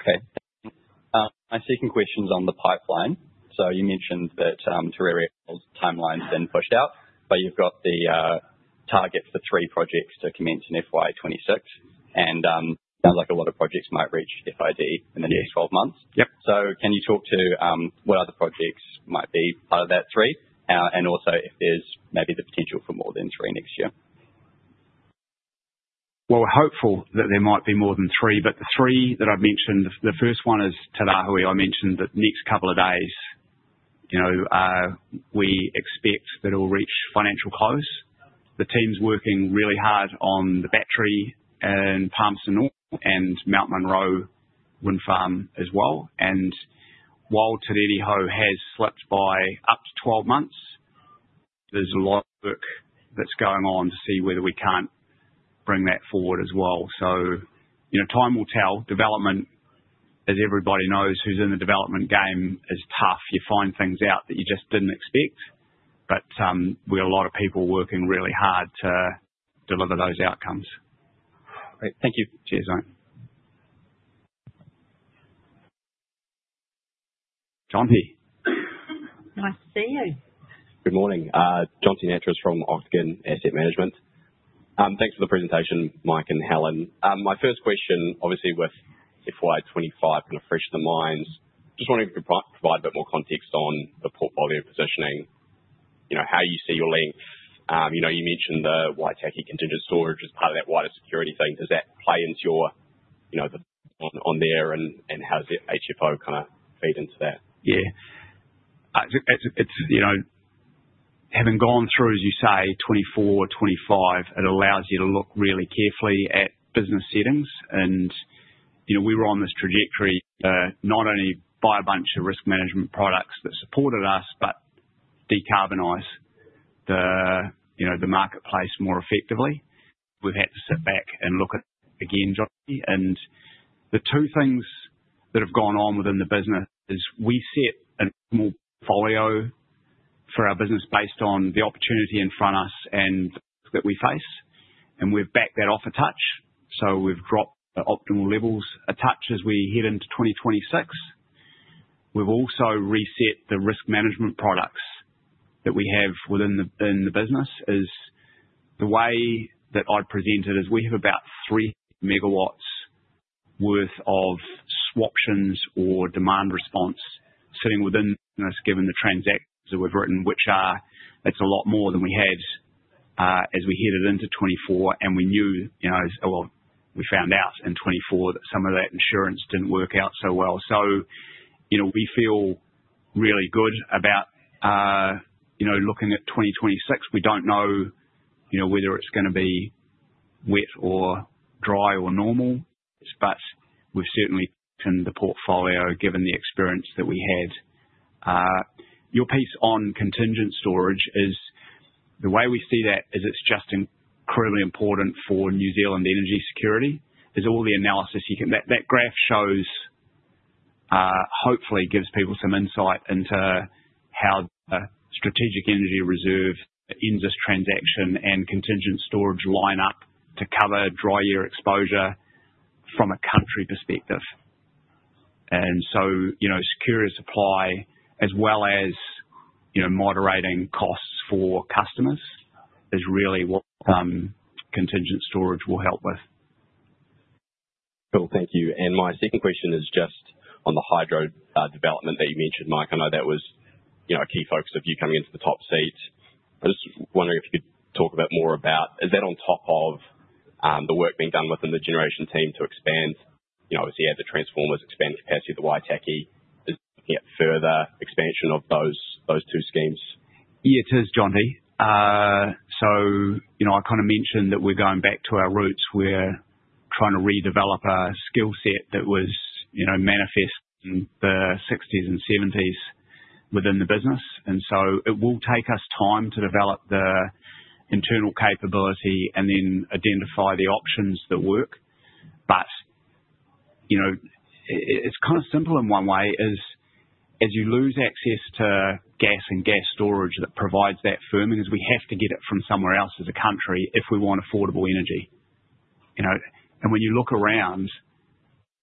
Okay, my second question's on the pipeline. You mentioned that Te Rāhui timelines have been pushed out, but you've got the target for three projects to commence in FY 2026, and sounds like a lot of projects might reach FID in the next 12 months. Yep. Can you talk to what other projects might be part of that three and also if there's maybe the potential for more than three next year? We're hopeful that there might be more than three, but the three that I've mentioned, the first one is Te Rāhui. I mentioned the next couple of days. We expect that it will reach financial close. The team's working really hard on the battery in Palmerston North and Mt Munro Wind Farm as well. While Te Rere Hau has slipped by up to 12 months, there's a lot of work that's going on to see whether we can't bring that forward as well. Time will tell. Development, as everybody knows who's in the development game, is tough. You find things out that you just didn't expect. We got a lot of people working really hard to deliver those outcomes. Great, thank you. Cheers. John here. Nice to see you. Good morning. Jonty Nattrass from Ocagon Asset Management. Thanks for the presentation, Mike and Helen. My first question, obviously with FY 2025 kind of fresh, the mind just wanted to provide a bit more context on the portfolio positioning. You know, how you see your link, you know, you mentioned the Waitaki contingent storage as part of that wider security thing. Does that play into your, you know, on there and how does the HFO kind of feed into that? Yeah, it's, you know, having gone through, as you say, 2024, 2025, it allows you to look really carefully at business settings and, you know, we were on this trajectory not only by a bunch of risk management products that supported us, but decarbonize the, you know, the marketplace more effectively. We've had to sit back and look at again, Johnny, and the two things that have gone on within the business is we set a folio for our business based on the opportunity in front of us and that we face and we've backed that off a touch. We've dropped optimal levels a touch as we head into 2026. We've also reset the risk management products that we have within the business. The way that I presented is we have about 3 MW worth of swaptions or demand response sitting within, given the transaction that we've written, which is a lot more than we had as we headed into 2024 and we knew, you know, we found out in 2024 that some of that insurance didn't work out so well. You know, we feel really good about, you know, looking at 2026. We don't know, you know, whether it's going to be wet or dry or normal. We've certainly turned the portfolio given the experience that we had. Your piece on contingent storage is the way we see that is it's just incredibly important for New Zealand energy security. All the analysis you can, that graph shows, hopefully gives people some insight into how Strategic Energy Reserve in this transaction and contingent storage line up to cover dry year exposure from a country perspective. Security of supply as well as, you know, moderating costs for customers is really what contingent storage will help with. Cool, thank you. My second question is just on the hydro development that you mentioned, Mike. I know that was, you know, a key focus of you coming into the top seat. I was wondering if you could talk a bit more about is that on top of the work being done within the generation team to expand, you know, obviously as the transformers expand capacity of the Waitaki is looking at further expansion of those two schemes. Yeah, it is Jonty. I kind of mentioned that we're going back to our roots. We're trying to redevelop a skill set that was, you know, manifest in the 1960s and 1970s within the business. It will take us time to develop the internal capability and then identify the options that work. You know, it's kind of simple in one way. As you lose access to gas and gas storage that provides that firming, we have to get it from somewhere else as a country if we want affordable energy. You know, when you look around,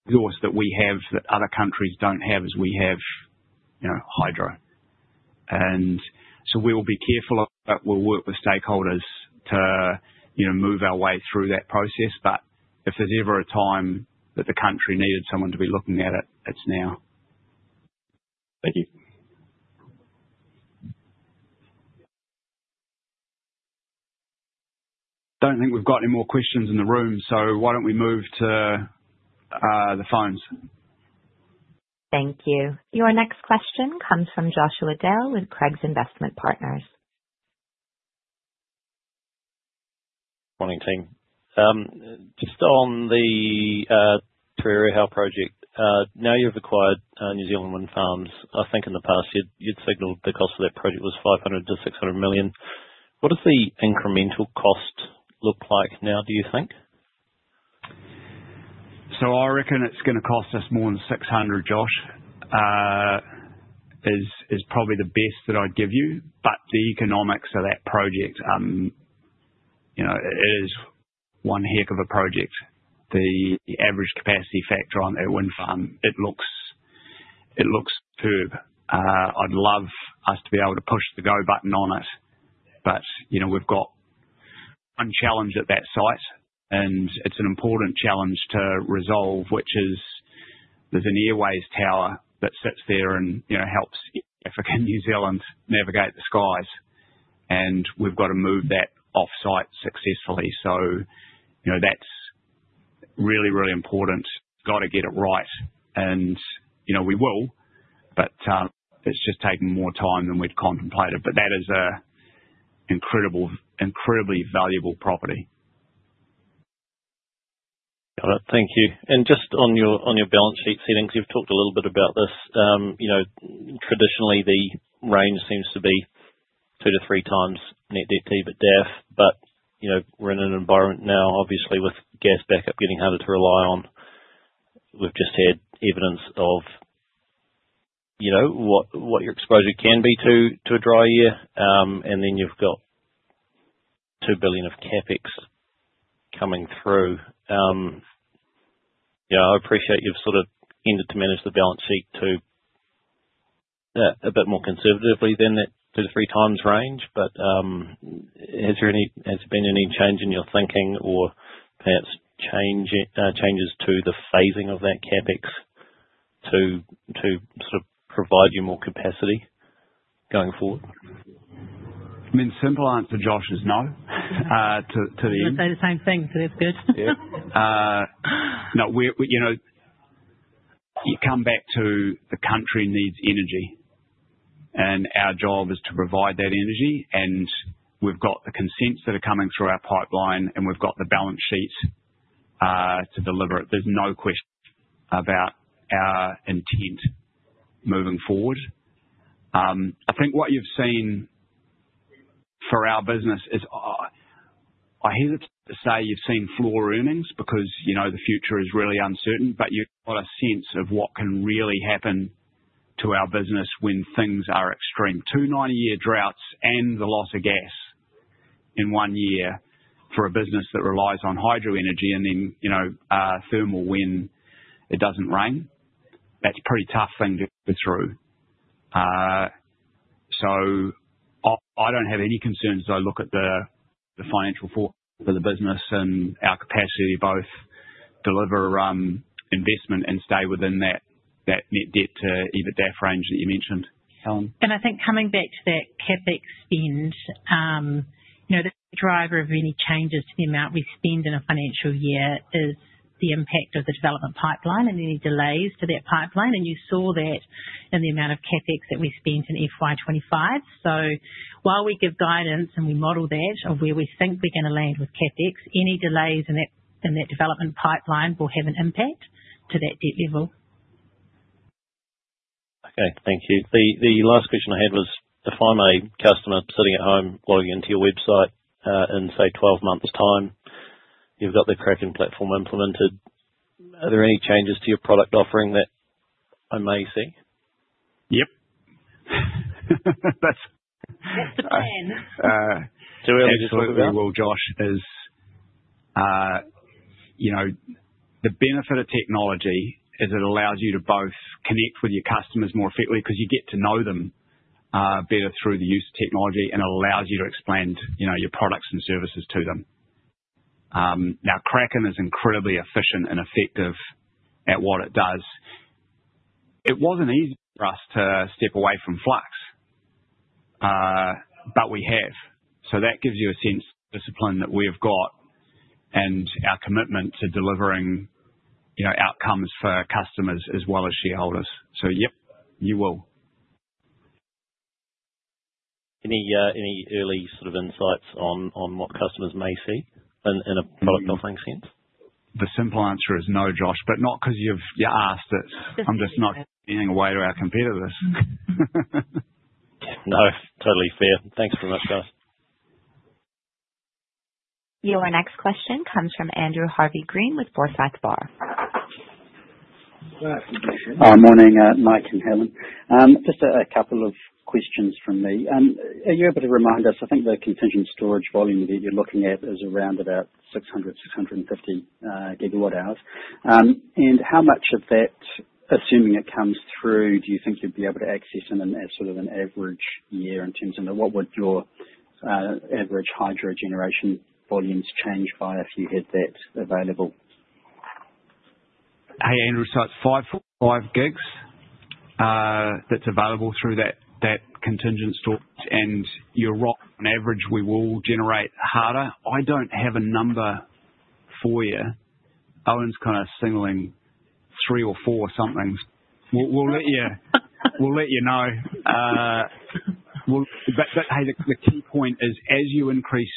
the source that we have that other countries don't have is we have, you know, hydro. We will be careful, but we'll work with stakeholders to move our way through that process. If there's ever a time that the country needed someone to be looking at it, it's now. Thank you. Don't think we've got any more questions in the room, so why don't we move to the phones. Thank you. Your next question comes from Joshua Dale with Craigs Investment Partners. Morning team. Just on the Te Rere Hau project. Now you've acquired New Zealand wind farms. I think in the past you'd signaled the cost of that project was 500 million-600 million. What does the incremental cost look like now do you think. I reckon it's going to cost us more than 600 million. Josh is probably the best that I'd give you, but the economics of that project is one heck of a project. The average capacity factor on that wind farm, it looks pure. I'd love us to be able to push the go button on this, but we've got a challenge at that site and it's an important challenge to resolve, which is there's an airways tower that sits there and helps Air New Zealand navigate the skies. We've got to move that off site successfully. That's really, really important. Got to get it right and we will, it's just taking more time than we'd contemplated. That is an incredibly valuable property. Thank you. Just on your balance sheet settings, you've talked a little bit about this. Traditionally, the range seems to be 2x-3x net debt to EBITDA. We're in an environment now, obviously, with gas backup getting harder to rely on. There is evidence of what your exposure can be to a dry year, and then you've got 2 billion of CapEx coming through. I appreciate you've tended to manage the balance sheet a bit more conservatively than that 2x-3x range, but has there been any change in your thinking or perhaps changes to the phasing of that CapEx to provide you more capacity going forward? I mean, simple answer, Josh, is no to the. I'd say the same thing. That's good. Yeah. No, we, you know, you come back to the country needs energy and our job is to provide that energy, and we've got the consents that are coming through our pipeline, and we've got the balance sheets to deliver it. There's no question about our intent moving forward. I think what you've seen for our business is, I hate to say you've seen floor earnings because you know the future is really uncertain, but you got a sense of what can really happen to our business when things are extreme. Two 90-year droughts and the loss of gas in one year for a business that relies on hydro energy and then thermal when it doesn't rain, that's a pretty tough thing to go through. I don't have any concerns. I look at the financial force for the business and our capacity to both deliver investment and stay within that net debt to EBITDA range that you mentioned. I think coming back to that CapEx spend, the driver of any changes to the amount we spend in a financial year is the impact of the development pipeline and any delays to that pipeline. You saw that in the amount of CapEx that we spent in FY 2025. While we give guidance and we model that of where we think we're going to land with CapEx, any delays in that development pipeline will have an impact to that debt level. Okay, thank you. The last question I had was if I'm a customer sitting at home logging into your website in, say, 12 months' time, you've got the Kraken platform implemented. Are there any changes to your product offering that I may see? That's the plan. Absolutely. Josh, the benefit of technology is it allows you to both connect with your customers more effectively because you get to know them better through the use of technology, and it allows you to expand your products and services to them. Kraken is incredibly efficient and effective at what it does. It wasn't easy for us to step away from Flux, but we have. That gives you a sense of discipline that we have got and our commitment to delivering outcomes for customers as well as shareholders. Yep, you will. Any early sort of insights on what customers may see in a product offering sense? The simple answer is no, Josh, not because you've asked it. I'm just not giving it away to our competitors. No, totally fair. Thanks very much, guys. Your next question comes from Andrew Harvey-Green with Forsyth Barr. Morning Mike and Helen. Just a couple of questions from me. Are you able to remind us, I think the contingent storage volume that you're looking at is around about 600, 650 GW hours and how much of that, assuming it comes through, do you think you'd be able to access in as sort of an average year in terms of what would your average hydro generation volumes change by if you had that available? Hey Andrew, it's five, five gigs that's available through that contingent storage and your rock on average we will generate harder. I don't have a number for you. Owen's kind of signaling three or four somethings. We'll let you know. The key point is as you increase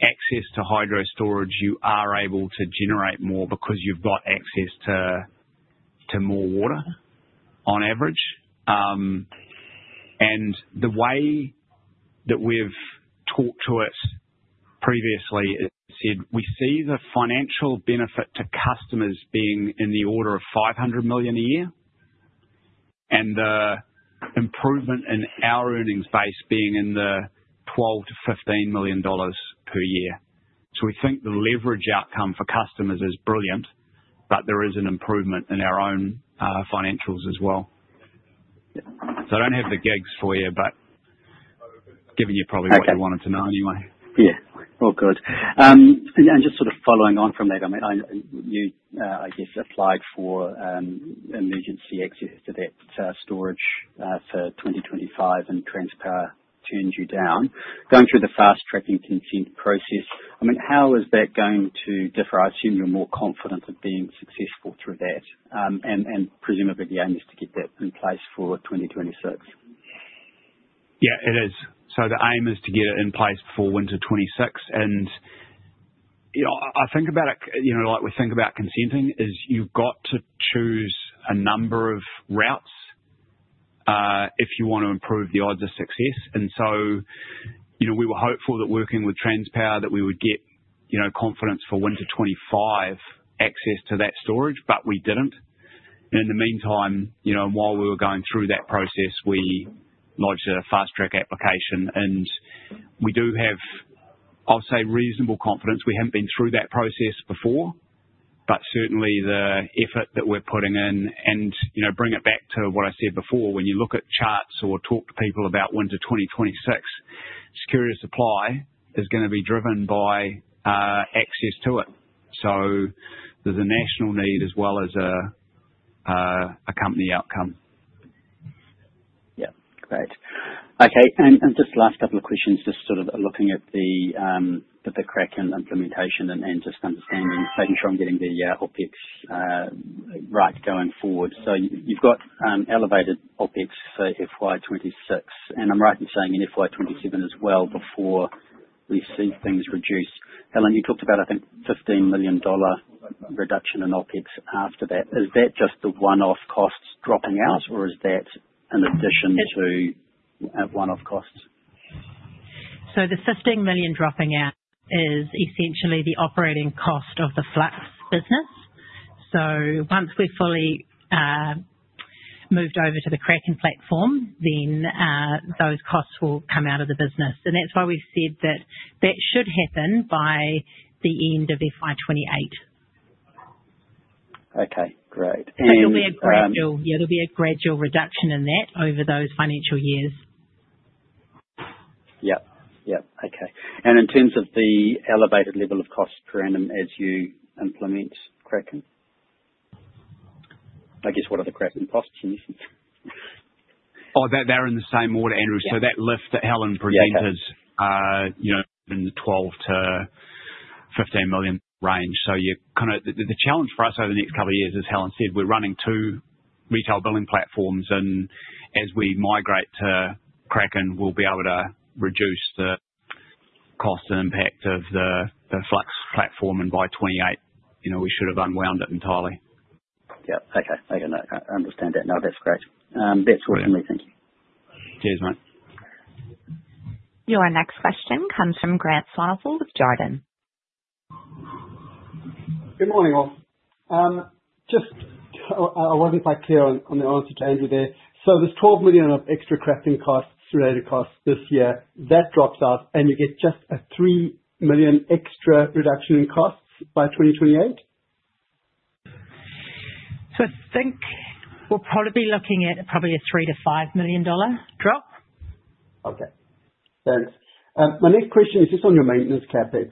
access to hydro storage, you are able to generate more because you've got access to more water on average. The way that we've talked to this previously, it said we see the financial benefit to customers being in the order of 500 million a year and the improvement in our earnings base being in the 12 million-15 million dollars per year. We think the leverage outcome for customers is brilliant. There is an improvement in our own financials as well. I don't have the gigs for you, but giving you probably what you wanted to know anyway. Good. Just sort of following on from that. I mean you, I guess, applied for emergency access to that storage. 2025 and Transpower turns you down going through the fast tracking consent process. How is that going to differ? I assume you're more confident of being successful through that and presumably the aim is to get that in place for 2026. It is. The aim is to get it in place before winter 2026. I think about it, like we think about consenting is you've got to choose a number of routes if you want to improve the odds of success. We were hopeful that working with Transpower, that we would get confidence for winter 2025 access to that storage, but we didn't. In the meantime, while we were going through that process, we lodged a fast track application and we do have, I'll say, reasonable confidence. We haven't been through that process before, but certainly the effort that we're putting in and bring it back to what I said before. When you look at charts or talk to people about winter 2026 security supply is going to be driven by access to it. There is a national need as well as a company outcome. Great. Okay. Just last couple of questions. Just sort of looking at the Kraken implementation and just understanding, making sure I'm getting the OpEx right going forward. You've got elevated OpEx for FY 2026 and I'm rightly saying in FY 2027 as well, before we see things reduce. Helen, you talked about, I think 15 million dollar reduction in OpEx after that. Is that just the one-off costs dropping out or is that in addition to one-off costs? The 15 million dropping out is essentially the operating cost of the Flux business. Once we fully moved over to the Kraken platform, then those costs will come out of the business. That's why we've said that that should happen by the end of FY 2028. Okay, great. It'll be a gradual reduction in that over those financial years. Okay. In terms of the elevated level of cost per annum as you implement Kraken, what are the key imposts in this? They're in the same order, Andrew. That lift that Helen presented, you know, in the 12 million-15 million range, is the challenge for us over the next couple of years. As Helen said, we're running two retail billing platforms and as we migrate to Kraken, we'll be able to reduce the cost and impact of the Flux platform and by 2028, we should have unwound it entirely. Yeah, okay, I understand that now. That's great. That's awesome. Thank you. Cheers, mate. Your next question comes from Grant Swanepoel with Jarden. Good morning all. I wasn't quite clear on the [color of] Andrew there. So there's 12 million of extra crafting-related costs this year that drops out, and you get just a 3 million extra reduction in costs by 2028. I think we'll probably be looking at a 3 million-5 million dollar drop. Okay, thanks. My next question is just on your maintenance CapEx.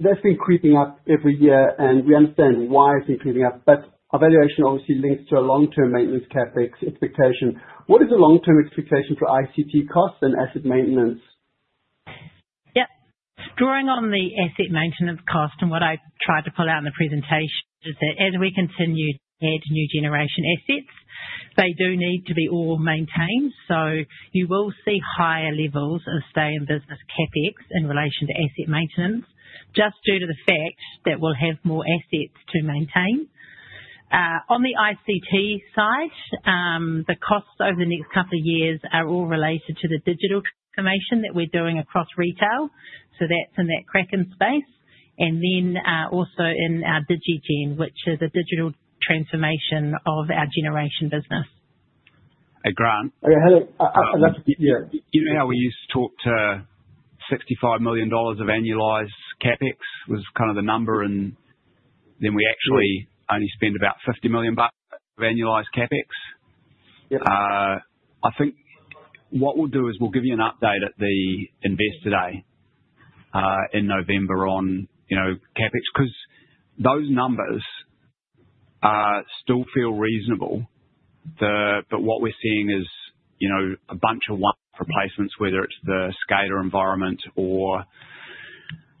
That's been creeping up every year and we understand why it's creeping up, but evaluation obviously links to a long-term maintenance CapEx expectation. What is the long-term expectation for ICT costs and asset maintenance? Yep, drawing on the asset maintenance cost and what I tried to pull out in the presentation is that as we continue to add new generation assets they do need to be all maintained. You will see higher levels of stay in business CapEx in relation to asset maintenance just due to the fact that we'll have more assets to maintain on the ICT site. The cost over the next couple of years is all related to the digital transformation that we're doing across retail. That's in that Kraken space and then also in our digital transformation of our generation business, Grant. You know how we used to talk to 65 million dollars of annualized CapEx was kind of the number, and then we actually only spend about 50 million bucks annualized CapEx. I think what we'll do is we'll give you an update at the investor day in November, and you know CapEx, because those numbers still feel reasonable. What we're seeing is a bunch of replacements, whether it's the SCADA environment or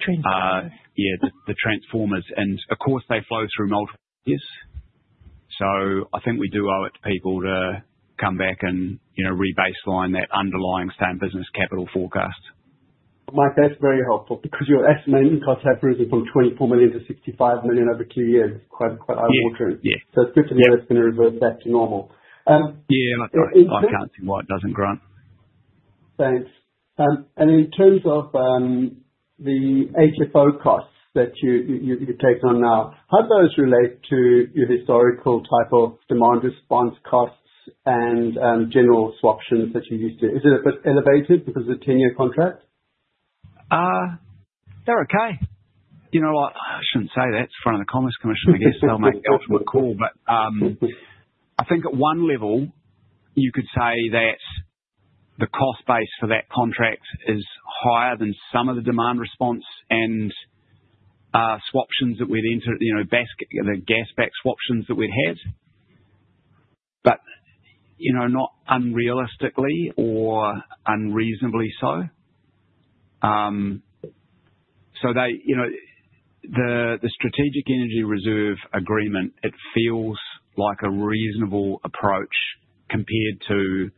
the transformers, and of course they flow through multiple years. I think we do owe it to people to come back and re-baseline that underlying same business capital forecast. Mike, that's very helpful because your estimated cost have risen from 24 million -65 million over two years. Quite eye watering. Yeah. NZD 58 million is going to revert back to normal. Yeah, I can't see why it doesn't, Grant. Thanks. In terms of the HFO costs that you take on now, how those relate to your historical type of demand response costs and general swaptions that you used to. Is it a bit elevated because of the 10-year contract? They're okay. I shouldn't say that in front of the Commerce Commission, I guess they'll make the ultimate call, but I think at one level you could say that the cost base for that contract is higher than some of the demand response and swaptions that we'd enter. Basket the gas back swaptions that we'd had, but not unrealistically or unreasonably so. The Strategic Energy Reserve agreement feels like a reasonable approach compared to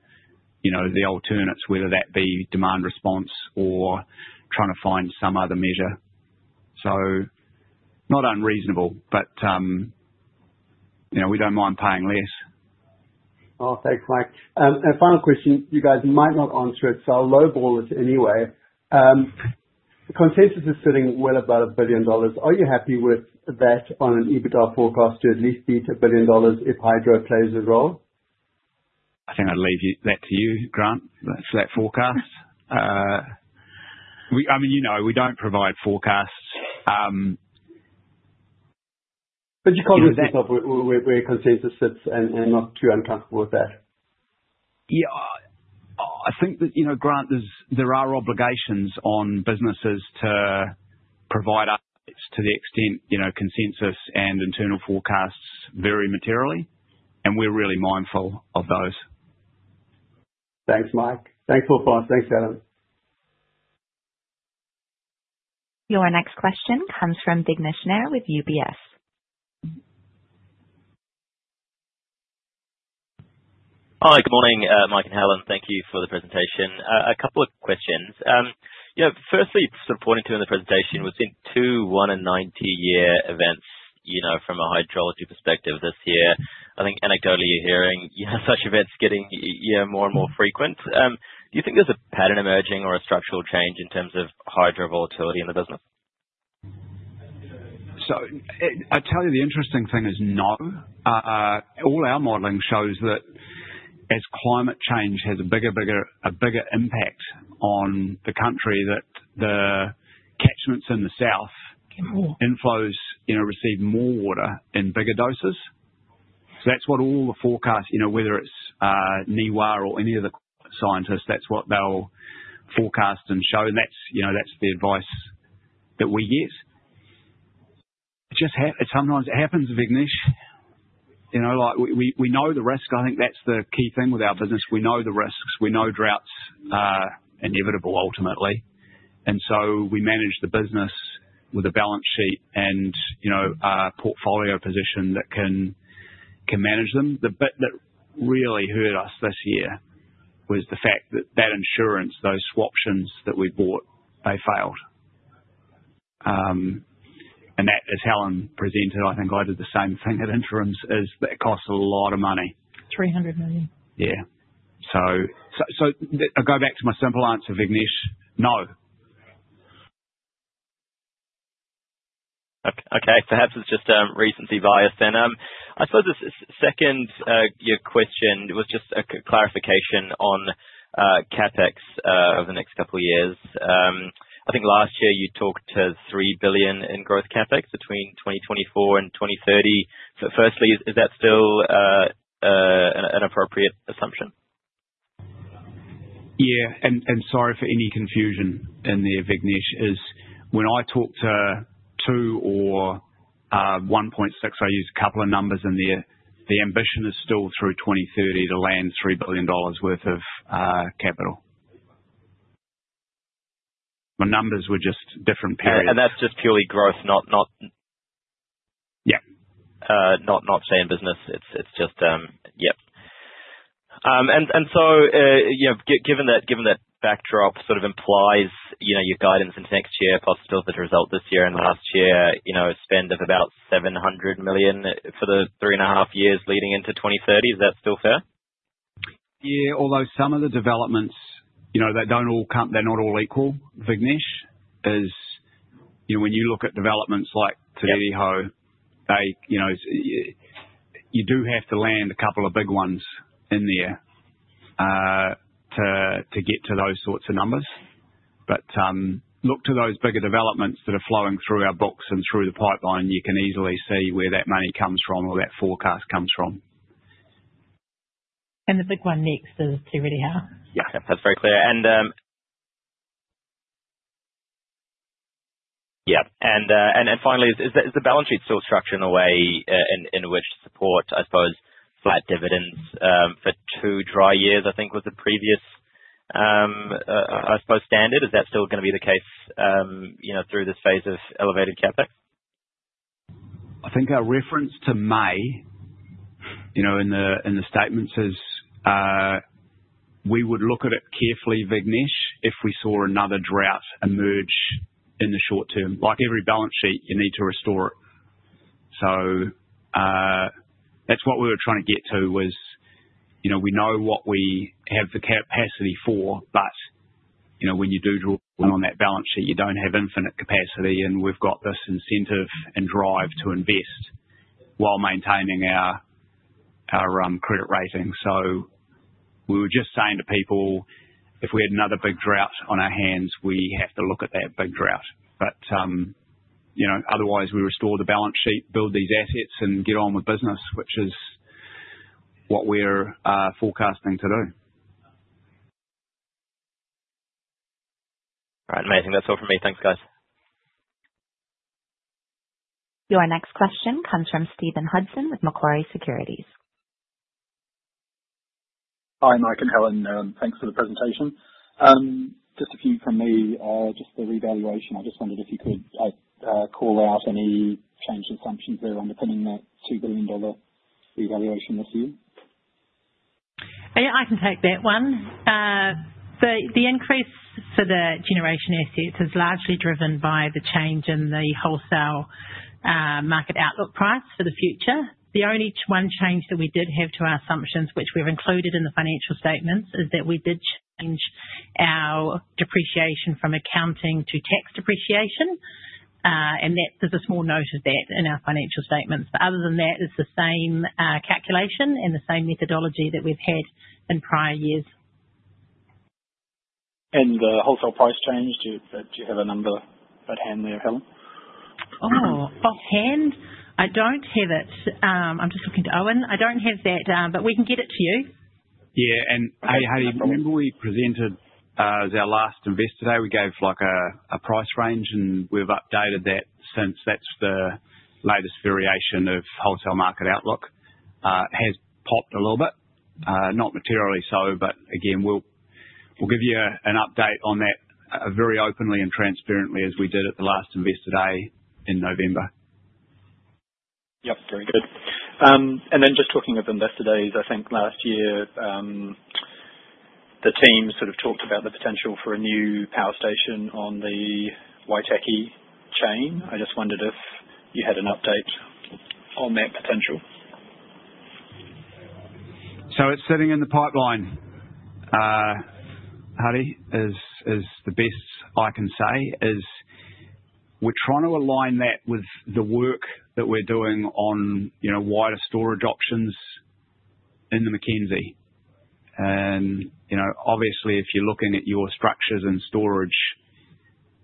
the alternates, whether that be demand response or trying to find some other measure. Not unreasonable, but we don't mind paying less. Oh, thanks, Mike. A final question, you guys might not answer it, so I'll lowball it. Anyway, consensus is sitting well about 1 billion dollars. Are you happy with that on an EBITDA forecast to at least beat 1 billion dollars if hydro plays a role? I think I'd leave that to you, Grant. That's that forecast. We don't provide forecasts, but you can't just where consensus sits and not too uncomfortable with that. I think that, Grant, there are obligations on businesses to provide updates to the extent consensus and internal forecasts vary materially, and we're really mindful of those. Thanks, Mike. Thanks for following us. Thanks, Helen. Your next question comes from Vignesh Nair with UBS. Hi, good morning Mike and Helen, thank you for the presentation. A couple of quick questions. Firstly, in the presentation we think two 1/90 year events from a hydrology perspective this year. I think anecdotally you're hearing such events getting more and more frequent. Do you think there's a pattern emerging or a structural change in terms of hydro volatility in the business? I tell you the interesting thing is no. All our modeling shows that as climate change has a bigger, bigger, a bigger impact on the country, the catchments in the south inflows receive more water in bigger doses. That's what all the forecasts, whether it's NIWA or any of the scientists, that's what they'll forecast and show and that's the advice that we get. Sometimes it happens, Vignesh, we know the risk. I think that's the key thing with our business. We know the risks. We know droughts are inevitable ultimately and we manage the business with a balance sheet and portfolio position that can manage them. The bit that really hurt us this year was the fact that that insurance, those swaptions that we bought, they failed. That, as Helen presented, I think I did the same thing at interims as that costs a lot of money. 300 million. Yeah, I go back to my simple answer, Vignesh. No. Okay. Perhaps it's just a recency bias. I suppose this second your question was just a clarification on CapEx over the next couple years. I think last year you talked to 3 billion in growth CapEx between 2024 and 2030. Is that still an appropriate assumption? Yeah, sorry for any confusion in there. Vignesh, when I talk to 2x or 1.6x, I use a couple of numbers in there. The ambition is still through 2030 to land 3 billion dollars worth of capital. My numbers were just different periods. That's just purely growth. Not shame business. Given that backdrop sort of implies, you know, your guidance into next year possibilities result this year and last year, a spend of about 700 million for the 3.5 years leading into 2030. Is that still fair? Yeah, although some of the developments, you know, they don't all come, they're not all equal. Vignesh is, you know, when you look at developments like Te Rāhui, you do have to land a couple of big ones in there to get to those sorts of numbers. Look to those bigger developments that are flowing through our books and through the pipeline. You can easily see where that money comes from or that forecast comes from. The big one next is Te Rere Hau. Yeah, that's very clear. And. Yeah. Is the balance sheet still structured in a way which supports, I suppose, flat dividends for two dry years? I think that was the previous standard. Is that still going to be the case, you know, through this phase of elevated CapEx? I think our reference to May in the statements is we would look at it carefully, Vignesh, if we saw another drought emerge in the short term. Like every balance sheet, you need to restore it. That's what we were trying to get to was, we know what we have the capacity for, but when you do draw on that balance sheet, you don't have infinite capacity and we've got this incentive and drive to invest while maintaining our credit rating. We were just saying to people, if we had another big drought on our hands, we have to look at that big drought. Otherwise, we restore the balance sheet, build these assets, and get on with business, which is what we're forecasting to do. All right, amazing. That's all for me, thanks, guys. Your next question comes from Stephen Hudson with Macquarie Securities. Hi, Mike and Helen, thanks for the presentation. Just a few from me, just the revaluation. I just wondered if you could call out any changed assumptions there under coming that super dollar. I can take that one. The increase for the generation assets is largely driven by the change in the wholesale market outlook price for the future. The only one change that we did have to our assumptions, which we've included in the financial statements, is that we did change our depreciation from accounting to tax depreciation. There's a small note of that in our financial statements. Other than that, it's the same calculation and the same methodology that we've had in prior years. Do you have a number at hand there, Helen? Oh, offhand, I don't have it. I'm just looking to Owen. I don't have that, but we can get it to you. Yeah. Hey Heidi, remember we presented at our last investor day, we gave like a price range and we've updated that since. That's the latest variation of wholesale market outlook, has popped a little bit. Not materially so, but again, we'll give you an update on that very openly and transparently as we did at the last investor day in November. Very good. Talking of investor days, I think last year the team sort of talked about the potential for a new power station on the Waitaki chain. I just wondered if you had an update on that potential. It's sitting in the pipeline, Heidi. The best I can say is we're trying to align that with the work that we're doing on wider storage options in the Mackenzie. Obviously, if you're looking at your structures and storage,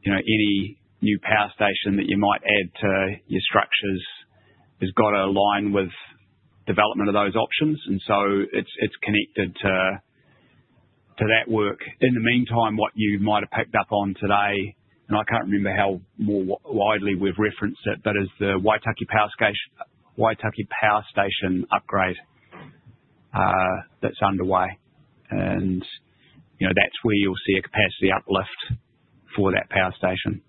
any new power station that you might add to your structures has got to align with development of those options and it's connected to that work. In the meantime, what you might have picked up on today, and I can't remember how more widely we've referenced it, is the Waitaki power station upgrade that's underway and that's where you'll see a capacity uplift for that power station.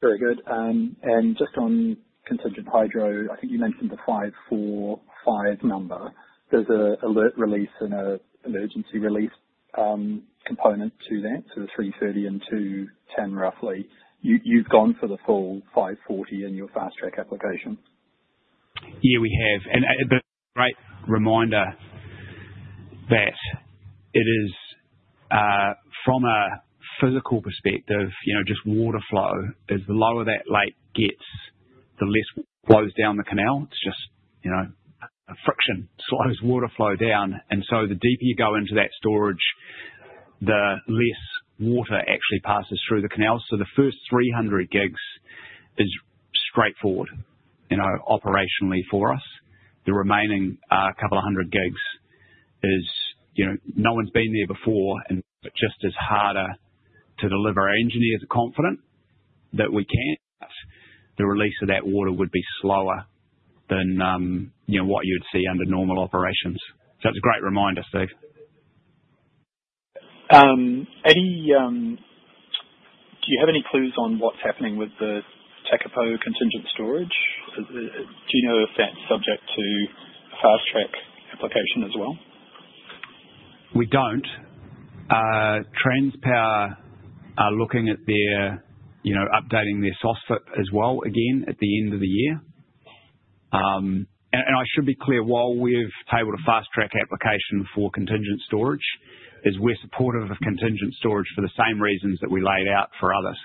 Very good. Just on contingent hydro, I think you mentioned the 545 number. There's an alert release and an emergency release component to that. The 330 and 210, roughly, you've gone for the full 540 in your fast track applications. Yeah, we have. Right. Reminder that it is from a physical perspective, just water flow. The lower that lake gets, the less flows down the canal. It's just friction slows water flow down, and the deeper you go into that storage, the less water actually passes through the canal. The first 300 gigs is straightforward operationally for us. The remaining couple of hundred gigs is, no one's been there before and just is harder to deliver. Engineers are confident that we can. The release of that water would be slower than what you'd see under normal operations. It's a great reminder. So... Any... Do you have any clues on what's happening with the Tekapo contingent storage? Do you know if that's subject to a fast track application as well? We don't. Transpower are looking at their, you know, updating their SOSFIP as well again at the end of the year. I should be clear, while we've tabled a fast track application for contingent storage, we're supportive of contingent storage for the same reasons that we laid out for others.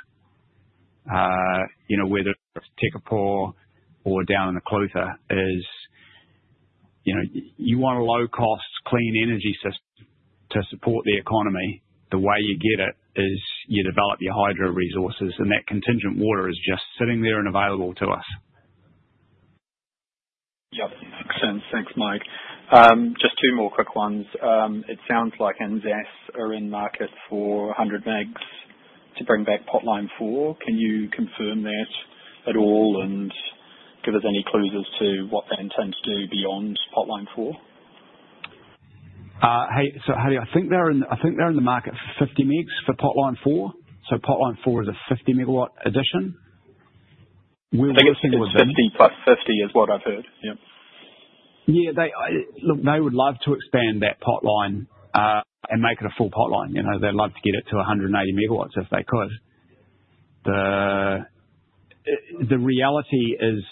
Whether Tekapo or down in a Clutha, you want a low cost clean energy system to support the economy. The way you get it is you develop your hydro resources and that contingent water is just sitting there and available to us. Yeah, thanks Mike. Just two more quick ones. It sounds like NZAS are in market for 100 MW to bring back Potline 4. Can you confirm that at all and give us any clues as to what they intend to do beyond Potline 4? Hey, so I think they're in, I think they're in the market for 50 MW for Potline 4. So Potline 4 is a 50 MW addition. 50 + 50 is what I've heard. Yep. They would love to expand that potline and make it a full potline. They'd love to get it to 180 MW if they could. The reality is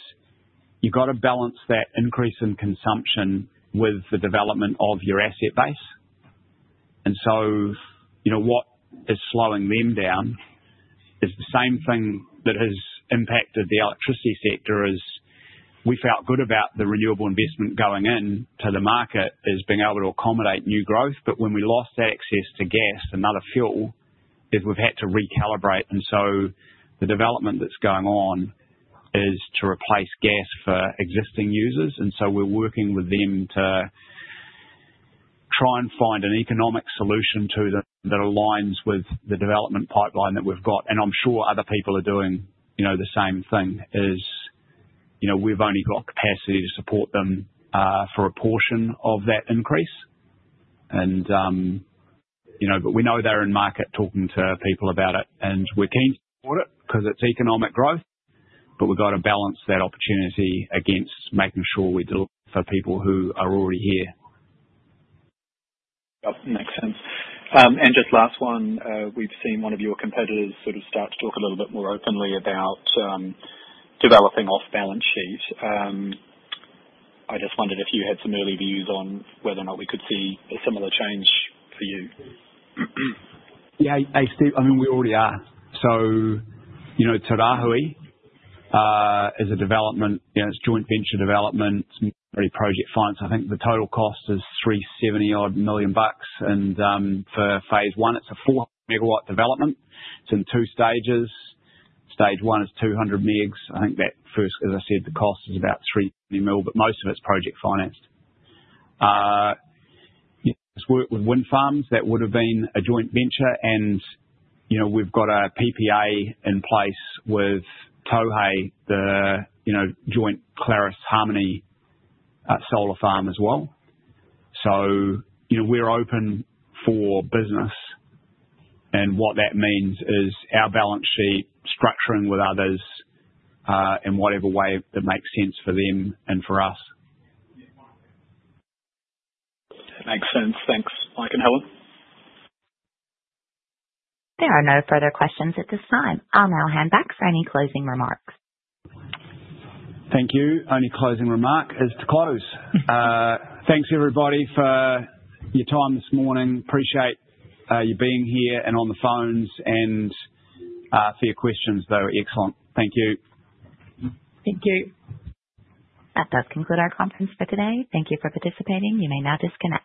you have to balance that increase in consumption with the development of your asset base. What is slowing them down is the same thing that has impacted the electricity sector. We felt good about the renewable investment going into the market, being able to accommodate new growth. When we lost access to gas, another fuel, we've had to recalibrate. The development that's going on is to replace gas for existing users. We're working with them to try and find an economic solution to them that aligns with the development pipeline that we've got. I'm sure other people are doing the same thing. We've only got capacity to support them for a portion of that increase. We know they're in market talking to people about it and we're keen to support it because it's economic growth. We've got to balance that opportunity against making sure we do look for people who are already here. Makes sense. Just last one, we've seen one of your competitors sort of start to talk a little bit more openly about developing off balance sheet. I just wondered if you had some early views on whether or not we could see a similar change for you. Yeah, hey Steve. I mean we already are. You know, Te Rāhui is a development. It's a joint venture development, very project finance. I think the total cost is 370 million bucks. For phase I, it's a full megawatt development. It's in two stages. Stage one is 200 megs. I think that first, as I said, the cost is about 3 million. Most of it's project financed work with wind farms that would have been a joint venture. We've got a PPA in place with Te Rāhui, the joint Clarus Harmony solar farm as well. We're open for business and what that means is our balance sheet structuring with others in whatever way that makes sense for them and for us that makes sense. Thanks Mike and Helen. There are no further questions at this time. I'll now hand back for any closing remarks. Thank you. Only closing remark is to close. Thanks everybody for your time this morning. Appreciate you being here and on the phones and for your questions. Excellent. Thank you. Thank you. That does conclude our conference for today. Thank you for participating. You may now disconnect.